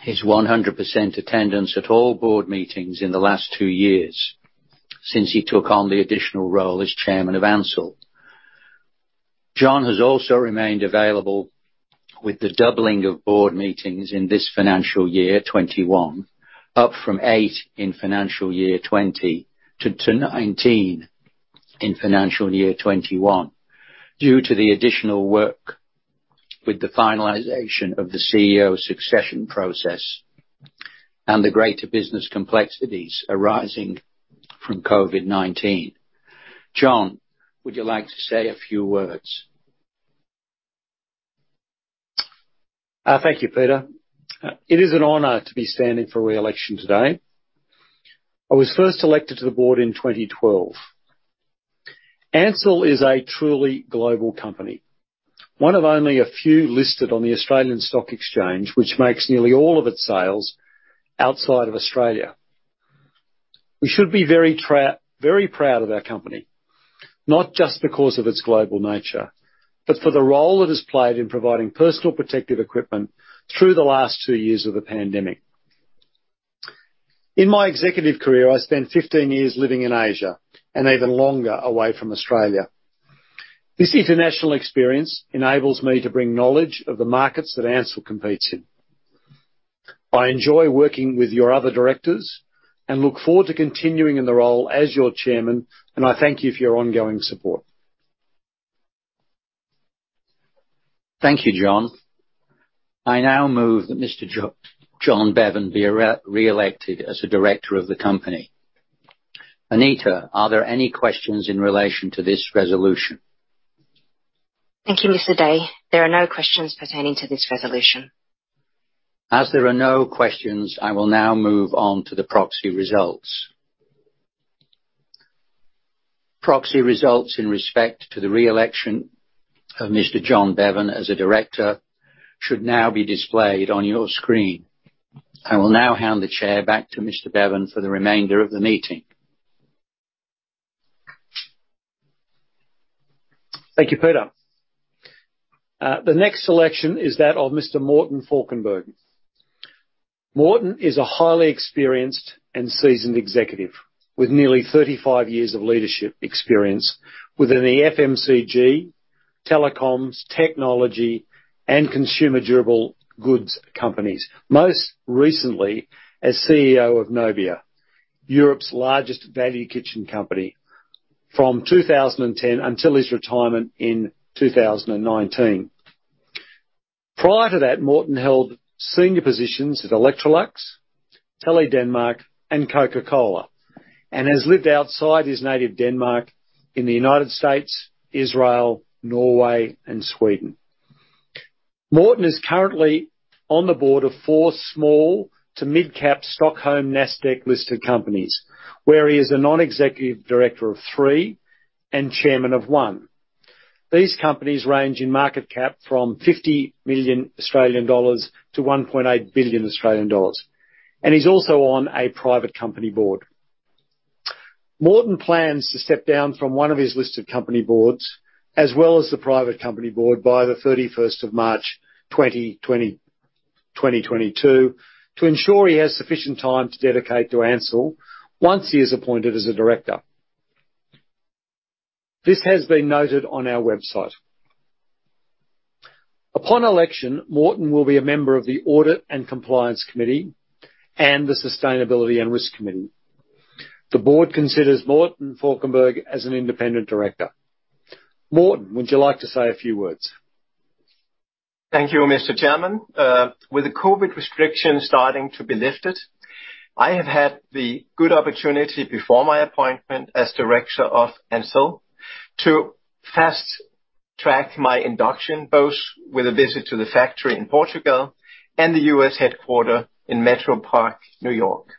his 100% attendance at all board meetings in the last two years since he took on the additional role as chairman of Ansell. John has also remained available with the doubling of board meetings in this financial year 2021, up from eight in financial year 2020 to 19 in financial year 2021 due to the additional work with the finalization of the CEO succession process and the greater business complexities arising from COVID-19. John, would you like to say a few words? Thank you, Peter. It is an honor to be standing for re-election today. I was first elected to the board in 2012. Ansell is a truly global company, one of only a few listed on the Australian Securities Exchange, which makes nearly all of its sales outside of Australia. We should be very proud of our company, not just because of its global nature, but for the role it has played in providing personal protective equipment through the last two years of the pandemic. In my executive career, I spent 15 years living in Asia and even longer away from Australia. This international experience enables me to bring knowledge of the markets that Ansell competes in. I enjoy working with your other directors and look forward to continuing in the role as your chairman, and I thank you for your ongoing support. Thank you, John. I now move that Mr. John Bevan be re-elected as a director of the company. Anita, are there any questions in relation to this resolution? Thank you, Mr. Day. There are no questions pertaining to this resolution. As there are no questions, I will now move on to the proxy results. Proxy results in respect to the re-election of Mr. John Bevan as a director should now be displayed on your screen. I will now hand the chair back to Mr. Bevan for the remainder of the meeting. Thank you, Peter. The next election is that of Mr. Morten Falkenberg. Morten is a highly experienced and seasoned executive with nearly 35 years of leadership experience within the FMCG, telecoms, technology, and consumer durable goods companies. Most recently, as CEO of Nobia, Europe's largest value kitchen company from 2010 until his retirement in 2019. Prior to that, Morten held senior positions at Electrolux, Tele Danmark, and Coca-Cola, and has lived outside his native Denmark in the United States, Israel, Norway, and Sweden. Morten is currently on the board of four small-to-midcap Nasdaq Stockholm-listed companies, where he is a non-executive director of three and chairman of one. These companies range in market cap from 50 million Australian dollars to 1.8 billion Australian dollars, and he's also on a private company board. Morten plans to step down from one of his listed company boards, as well as the private company board by the 31st of March 2022 to ensure he has sufficient time to dedicate to Ansell once he is appointed as a director. This has been noted on our website. Upon election, Morten will be a member of the Audit and Compliance Committee and the Sustainability and Risk Committee. The board considers Morten Falkenberg as an independent director. Morten, would you like to say a few words? Thank you, Mr. Chairman. With the COVID restrictions starting to be lifted, I have had the good opportunity before my appointment as director of Ansell to fast-track my induction, both with a visit to the factory in Portugal and the U.S. headquarters in Metropark, New Jersey.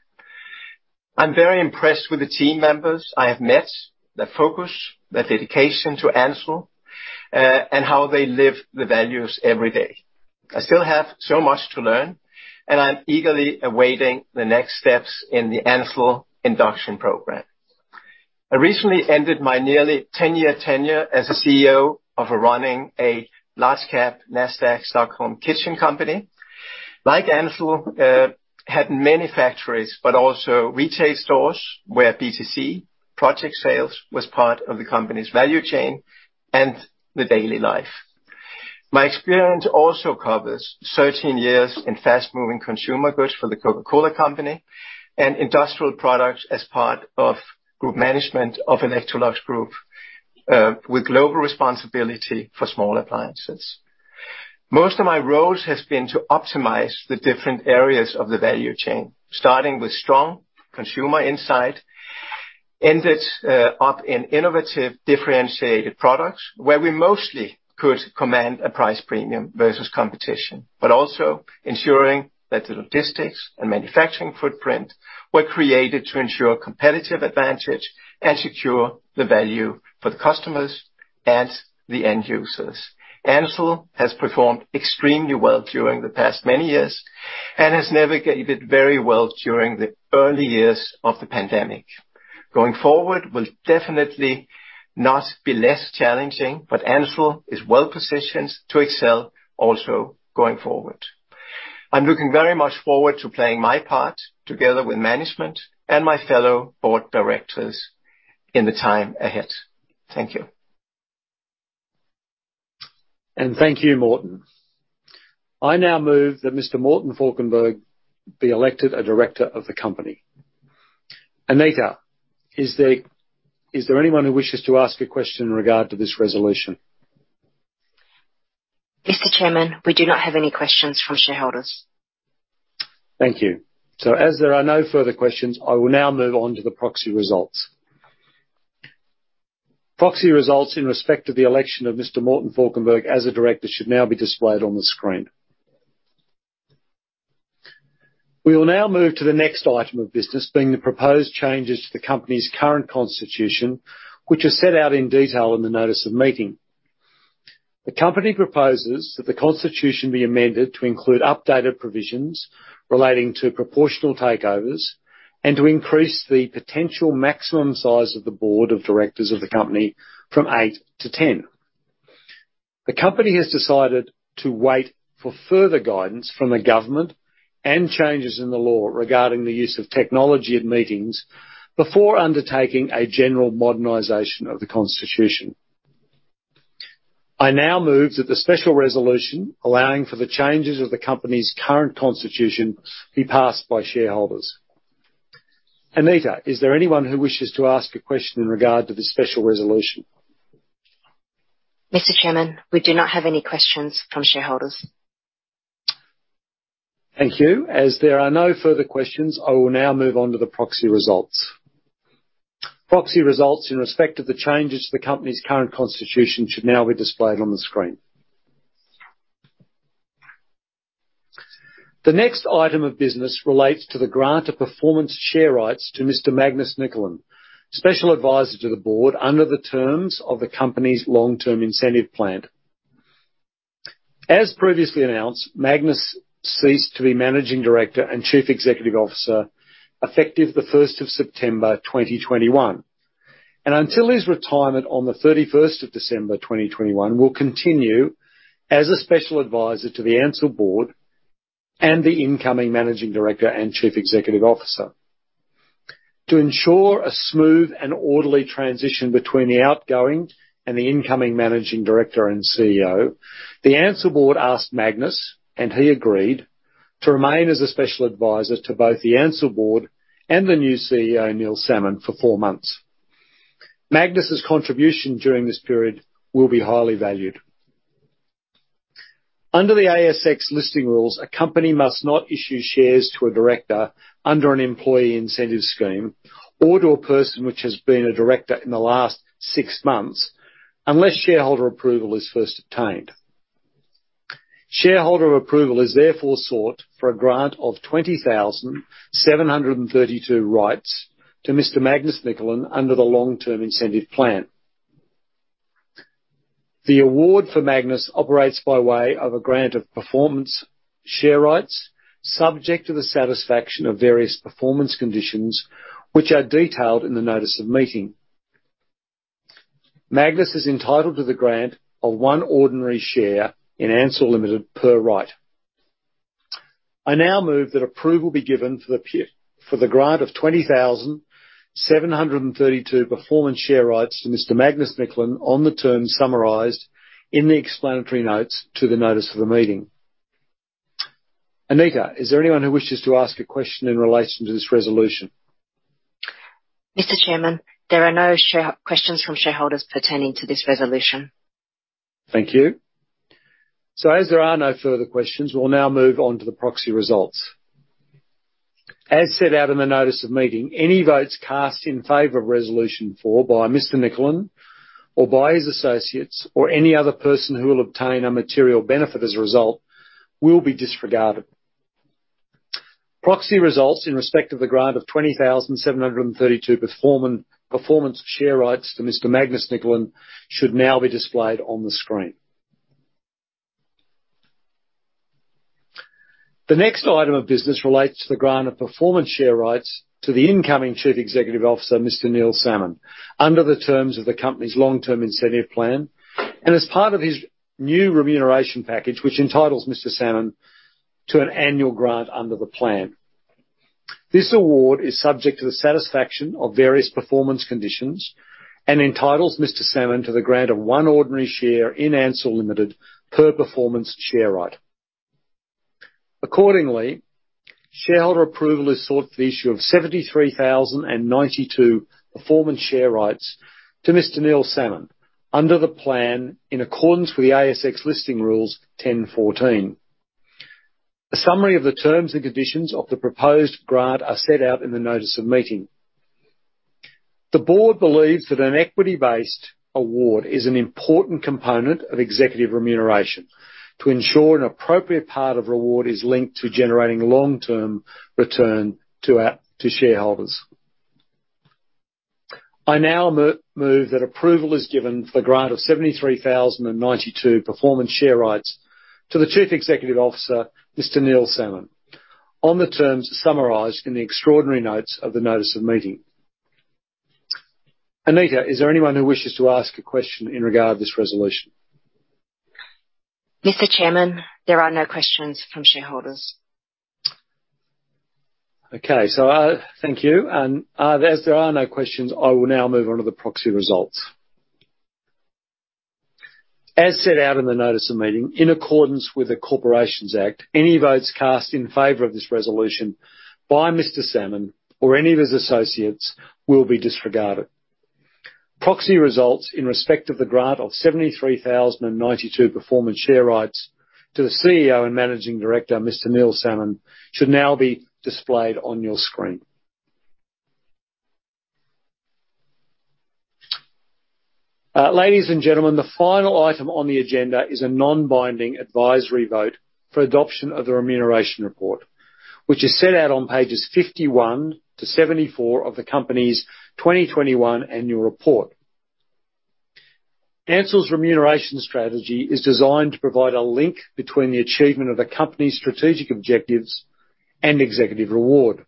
I'm very impressed with the team members I have met, their focus, their dedication to Ansell, and how they live the values every day. I still have so much to learn, and I'm eagerly awaiting the next steps in the Ansell induction program. I recently ended my nearly 10-year tenure as CEO of a large-cap Nasdaq Stockholm kitchen company. Like Ansell, had many factories, but also retail stores where B2C product sales was part of the company's value chain and the daily life. My experience also covers 13 years in fast-moving consumer goods for the Coca-Cola Company and industrial products as part of group management of Electrolux Group with global responsibility for small appliances. Most of my roles has been to optimize the different areas of the value chain, starting with strong consumer insight, ending up in innovative, differentiated products where we mostly could command a price premium versus competition. Also ensuring that the logistics and manufacturing footprint were created to ensure competitive advantage and secure the value for the customers as the end users. Ansell has performed extremely well during the past many years and has navigated very well during the early years of the pandemic. Going forward will definitely not be less challenging, but Ansell is well-positioned to excel also going forward. I'm looking very much forward to playing my part together with management and my fellow board directors in the time ahead. Thank you. Thank you, Morten. I now move that Mr. Morten Falkenberg be elected a director of the company. Anita, is there anyone who wishes to ask a question in regard to this resolution? Mr. Chairman, we do not have any questions from shareholders. Thank you. As there are no further questions, I will now move on to the proxy results. Proxy results in respect to the election of Mr. Morten Falkenberg as a director should now be displayed on the screen. We will now move to the next item of business, being the proposed changes to the company's current constitution, which are set out in detail in the notice of meeting. The company proposes that the constitution be amended to include updated provisions relating to proportional takeovers and to increase the potential maximum size of the board of directors of the company from eight to ten. The company has decided to wait for further guidance from the government and changes in the law regarding the use of technology at meetings before undertaking a general modernization of the constitution. I now move that the special resolution allowing for the changes to the company's current constitution be passed by shareholders. Anita, is there anyone who wishes to ask a question in regard to the special resolution? Mr. Chairman, we do not have any questions from shareholders. Thank you. As there are no further questions, I will now move on to the proxy results. Proxy results in respect of the changes to the company's current constitution should now be displayed on the screen. The next item of business relates to the grant of performance share rights to Mr. Magnus Nicolin, Special Advisor to the board, under the terms of the company's long-term incentive plan. As previously announced, Magnus ceased to be Managing Director and Chief Executive Officer effective the first of September 2021. Until his retirement on the thirty-first of December 2021, he will continue as a special advisor to the Ansell board and the incoming Managing Director and Chief Executive Officer. To ensure a smooth and orderly transition between the outgoing and the incoming Managing Director and CEO, the Ansell board asked Magnus, and he agreed, to remain as a special advisor to both the Ansell board and the new CEO, Neil Salmon, for four months. Magnus' contribution during this period will be highly valued. Under the ASX Listing Rules, a company must not issue shares to a director under an employee incentive scheme or to a person which has been a director in the last six months unless shareholder approval is first obtained. Shareholder approval is therefore sought for a grant of 20,732 rights to Mr. Magnus Nicolin under the long-term incentive plan. The award for Magnus operates by way of a grant of performance share rights subject to the satisfaction of various performance conditions which are detailed in the notice of meeting. Magnus is entitled to the grant of one ordinary share in Ansell Limited per right. I now move that approval be given for the grant of 20,732 performance share rights to Mr. Magnus Nicolin on the terms summarized in the explanatory notes to the notice of the meeting. Anita, is there anyone who wishes to ask a question in relation to this resolution? Mr. Chairman, there are no questions from shareholders pertaining to this resolution. Thank you. As there are no further questions, we'll now move on to the proxy results. As set out in the notice of meeting, any votes cast in favor of resolution 4 by Mr. Nicolin or by his associates or any other person who will obtain a material benefit as a result, will be disregarded. Proxy results in respect of the grant of 20,732 performance share rights to Mr. Magnus Nicolin should now be displayed on the screen. The next item of business relates to the grant of performance share rights to the incoming Chief Executive Officer, Mr. Neil Salmon, under the terms of the company's long-term incentive plan, and as part of his new remuneration package which entitles Mr. Salmon to an annual grant under the plan. This award is subject to the satisfaction of various performance conditions and entitles Mr. Salmon to the grant of one ordinary share in Ansell Limited per performance share right. Accordingly, shareholder approval is sought for the issue of 73,092 performance share rights to Mr. Neil Salmon under the plan in accordance with the ASX Listing Rule 10.14. A summary of the terms and conditions of the proposed grant are set out in the Notice of Meeting. The board believes that an equity-based award is an important component of executive remuneration to ensure an appropriate part of reward is linked to generating long-term return to our shareholders. I now move that approval is given for the grant of 73,092 performance share rights to the Chief Executive Officer, Mr. Neil Salmon, on the terms summarized in the explanatory notes of the Notice of Meeting. Anita, is there anyone who wishes to ask a question in regard to this resolution? Mr. Chairman, there are no questions from shareholders. Okay. Thank you. As there are no questions, I will now move on to the proxy results. As set out in the notice of meeting, in accordance with the Corporations Act, any votes cast in favor of this resolution by Mr. Salmon or any of his associates will be disregarded. Proxy results in respect of the grant of 73,092 performance share rights to the CEO and Managing Director, Mr. Neil Salmon, should now be displayed on your screen. Ladies and gentlemen, the final item on the agenda is a non-binding advisory vote for adoption of the remuneration report, which is set out on pages 51-74 of the company's 2021 annual report. Ansell's remuneration strategy is designed to provide a link between the achievement of the company's strategic objectives and executive reward.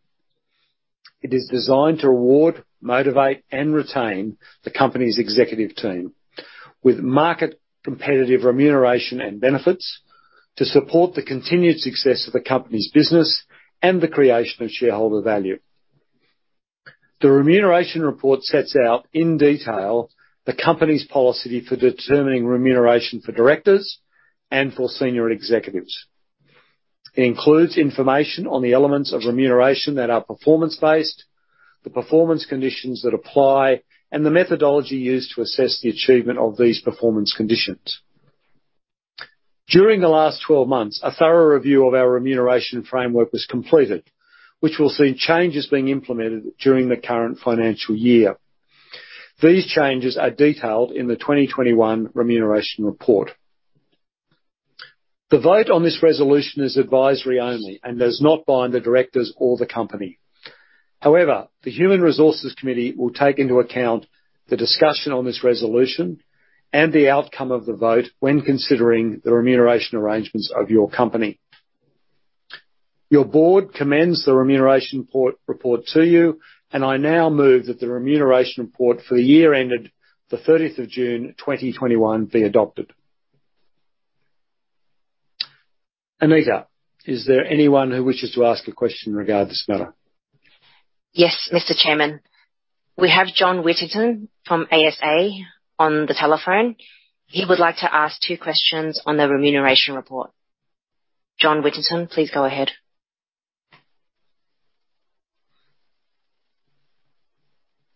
It is designed to reward, motivate, and retain the company's executive team with market competitive remuneration and benefits to support the continued success of the company's business and the creation of shareholder value. The remuneration report sets out in detail the company's policy for determining remuneration for directors and for senior executives. It includes information on the elements of remuneration that are performance-based, the performance conditions that apply, and the methodology used to assess the achievement of these performance conditions. During the last 12 months, a thorough review of our remuneration framework was completed, which will see changes being implemented during the current financial year. These changes are detailed in the 2021 remuneration report. The vote on this resolution is advisory only and does not bind the directors or the company. However, the Human Resources Committee will take into account the discussion on this resolution and the outcome of the vote when considering the remuneration arrangements of your company. Your board commends the remuneration report to you, and I now move that the remuneration report for the year ended the 30th of June 2021 be adopted. Anita, is there anyone who wishes to ask a question regarding this matter? Yes, Mr. Chairman. We have John Whittington from ASA on the telephone. He would like to ask two questions on the remuneration report. John Whittington, please go ahead.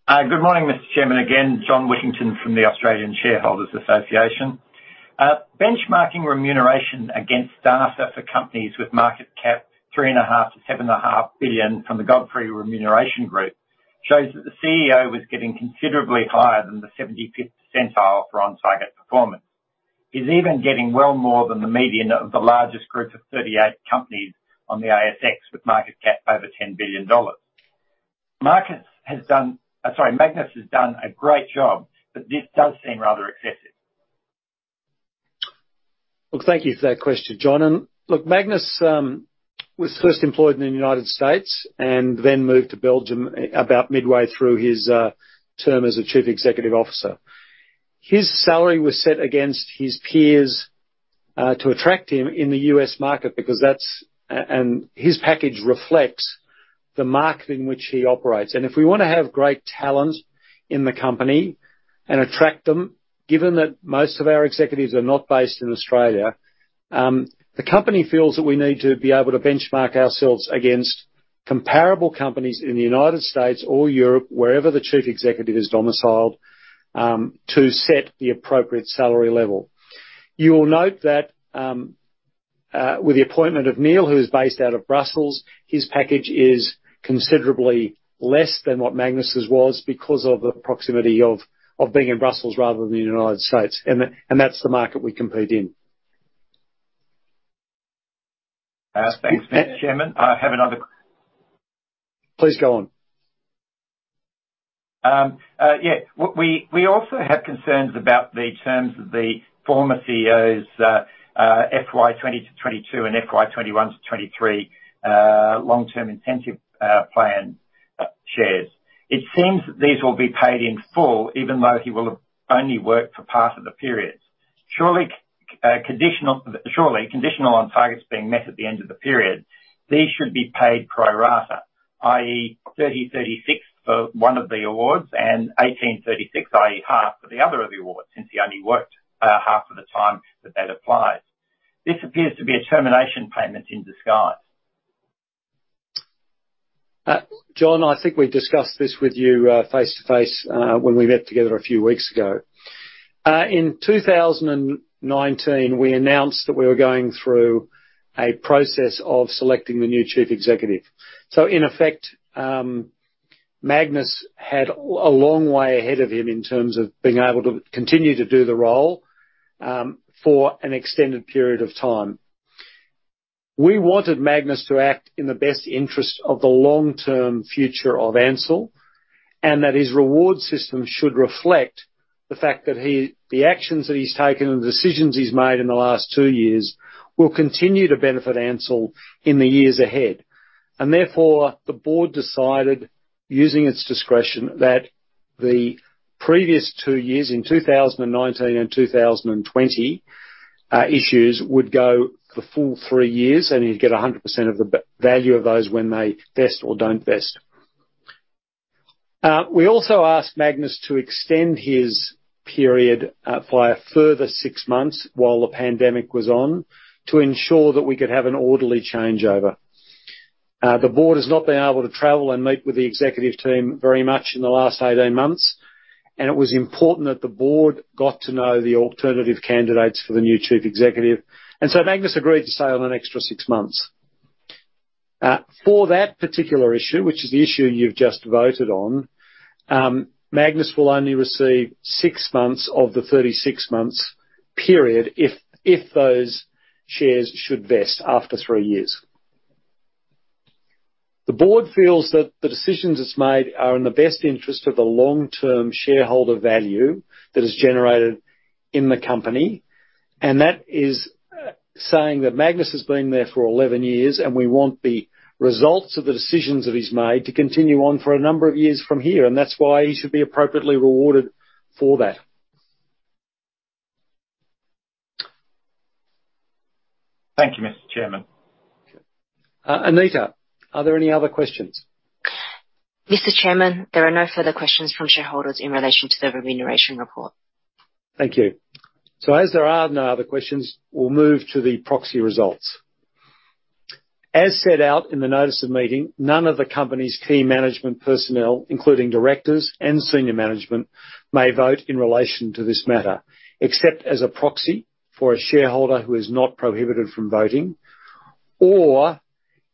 Good morning, Mr. Chairman. Again, John Whittington from the Australian Shareholders' Association. Benchmarking remuneration against data for companies with market cap 3.5 billion-7.5 billion from the Godfrey Remuneration Group shows that the CEO was getting considerably higher than the 75th percentile for on-target performance. He's even getting well more than the median of the largest group of 38 companies on the ASX with market cap over 10 billion dollars. Magnus has done a great job, but this does seem rather excessive. Look, thank you for that question, John. Look, Magnus was first employed in the United States and then moved to Belgium about midway through his term as the Chief Executive Officer. His salary was set against his peers to attract him in the U.S. market because that's and his package reflects the market in which he operates. If we wanna have great talent in the company and attract them, given that most of our executives are not based in Australia, the company feels that we need to be able to benchmark ourselves against comparable companies in the United States or Europe, wherever the Chief Executive is domiciled, to set the appropriate salary level. You will note that with the appointment of Neil, who is based out of Brussels, his package is considerably less than what Magnus's was because of the proximity of being in Brussels rather than the United States, and that's the market we compete in. Thanks, Mr. Chairman. I have another question. Please go on. We also have concerns about the terms of the former CEO's FY 2020 to 2022 and FY 2021 to 2023 long-term incentive plan shares. It seems that these will be paid in full even though he will have only worked for part of the period. Surely, conditional on targets being met at the end of the period, these should be paid pro rata, i.e., 30/36 for one of the awards and 18/36, i.e., half for the other of the awards since he only worked half of the time that applies. This appears to be a termination payment in disguise. John, I think we discussed this with you, face-to-face, when we met together a few weeks ago. In 2019, we announced that we were going through a process of selecting the new chief executive. In effect, Magnus had a long way ahead of him in terms of being able to continue to do the role for an extended period of time. We wanted Magnus to act in the best interest of the long-term future of Ansell, and that his reward system should reflect the fact that the actions that he's taken and the decisions he's made in the last two years will continue to benefit Ansell in the years ahead. The board decided, using its discretion, that the previous two years, in 2019 and 2020, issues would go the full three years, and he'd get 100% of the b-value of those when they vest or don't vest. We also asked Magnus to extend his period by a further six months while the pandemic was on, to ensure that we could have an orderly changeover. The board has not been able to travel and meet with the executive team very much in the last 18 months, and it was important that the board got to know the alternative candidates for the new chief executive. Magnus agreed to stay on an extra six months. For that particular issue, which is the issue you've just voted on, Magnus will only receive six months of the 36 months period if those shares should vest after three years. The Board feels that the decisions it's made are in the best interest of the long-term shareholder value that is generated in the company, and that is saying that Magnus has been there for 11 years and we want the results of the decisions that he's made to continue on for a number of years from here, and that's why he should be appropriately rewarded for that. Thank you, Mr. Chairman. Anita, are there any other questions? Mr. Chairman, there are no further questions from shareholders in relation to the remuneration report. Thank you. As there are no other questions, we'll move to the proxy results. As set out in the notice of meeting, none of the company's key management personnel, including directors and senior management, may vote in relation to this matter, except as a proxy for a shareholder who is not prohibited from voting, or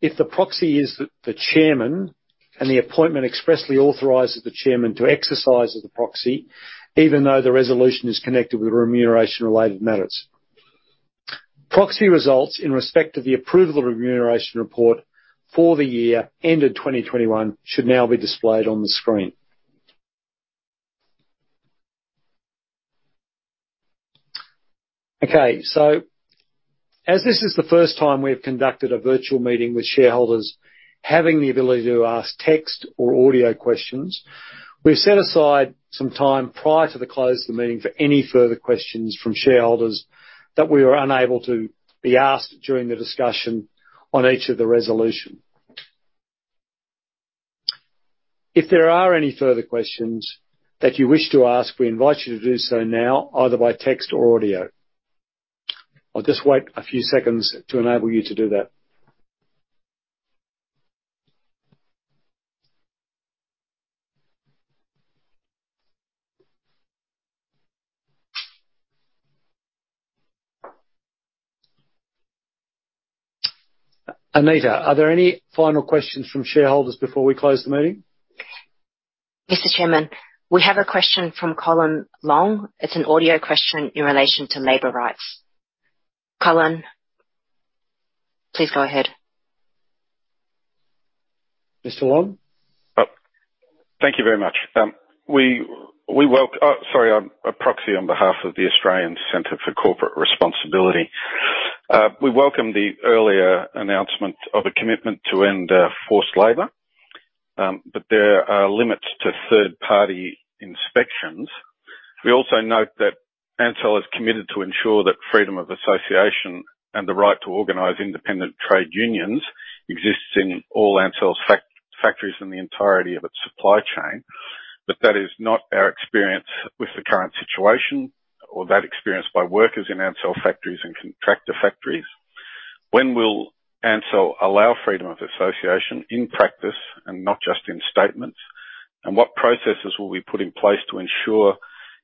if the proxy is the chairman and the appointment expressly authorizes the chairman to exercise as a proxy even though the resolution is connected with remuneration-related matters. Proxy results in respect to the approval of remuneration report for the year ended 2021 should now be displayed on the screen. Okay. As this is the first time we have conducted a virtual meeting with shareholders having the ability to ask text or audio questions, we've set aside some time prior to the close of the meeting for any further questions from shareholders that we were unable to be asked during the discussion on each of the resolutions. If there are any further questions that you wish to ask, we invite you to do so now, either by text or audio. I'll just wait a few seconds to enable you to do that. Anita, are there any final questions from shareholders before we close the meeting? Mr. Chairman, we have a question from Colin Long. It's an audio question in relation to labor rights. Colin, please go ahead. Mr. Long. Thank you very much. I'm a proxy on behalf of the Australasian Centre for Corporate Responsibility. We welcome the earlier announcement of a commitment to end forced labor, but there are limits to third-party inspections. We also note that Ansell is committed to ensure that freedom of association and the right to organize independent trade unions exists in all Ansell's factories in the entirety of its supply chain. That is not our experience with the current situation or that experience by workers in Ansell factories and contractor factories. When will Ansell allow freedom of association in practice and not just in statements? And what processes will be put in place to ensure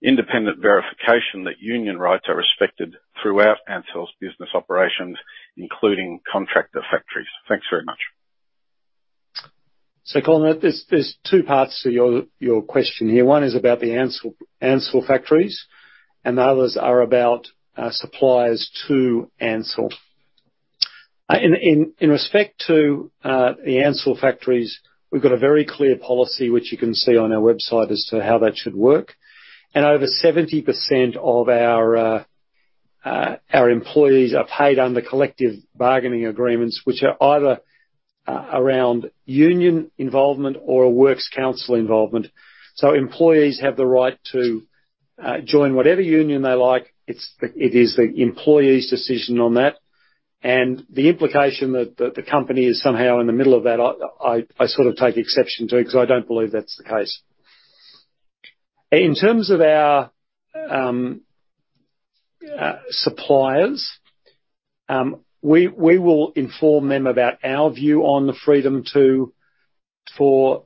independent verification that union rights are respected throughout Ansell's business operations, including contractor factories? Thanks very much. Colin, there are two parts to your question here. One is about the Ansell factories, and the others are about suppliers to Ansell. In respect to the Ansell factories, we've got a very clear policy, which you can see on our website as to how that should work, and over 70% of our employees are paid under collective bargaining agreements, which are either around union involvement or a works council involvement. Employees have the right to join whatever union they like. It is the employee's decision on that. The implication that the company is somehow in the middle of that, I sort of take exception to, 'cause I don't believe that's the case. In terms of our suppliers, we will inform them about our view on the freedom for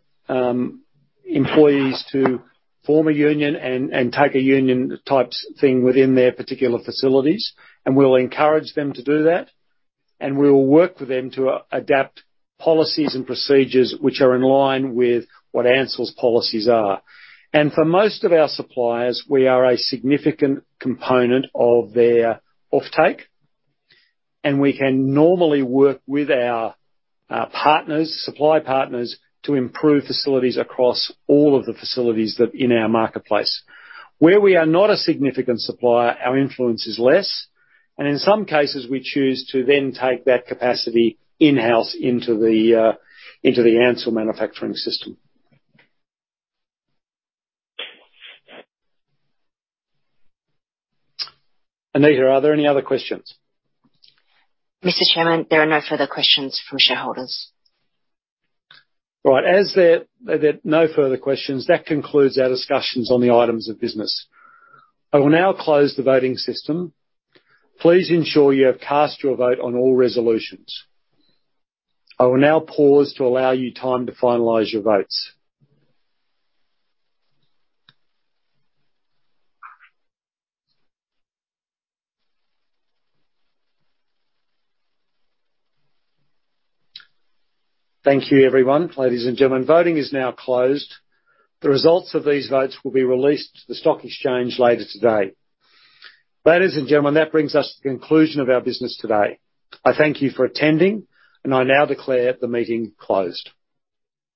employees to form a union and take a union types thing within their particular facilities, and we'll encourage them to do that. We will work with them to adapt policies and procedures which are in line with what Ansell's policies are. For most of our suppliers, we are a significant component of their offtake, and we can normally work with our partners, supply partners to improve facilities across all of the facilities that in our marketplace. Where we are not a significant supplier, our influence is less, and in some cases, we choose to then take that capacity in-house into the Ansell manufacturing system. Anita, are there any other questions? Mr. Chairman, there are no further questions from shareholders. Right. As there are no further questions, that concludes our discussions on the items of business. I will now close the voting system. Please ensure you have cast your vote on all resolutions. I will now pause to allow you time to finalize your votes. Thank you, everyone. Ladies and gentlemen, voting is now closed. The results of these votes will be released to the stock exchange later today. Ladies and gentlemen, that brings us to the conclusion of our business today. I thank you for attending, and I now declare the meeting closed.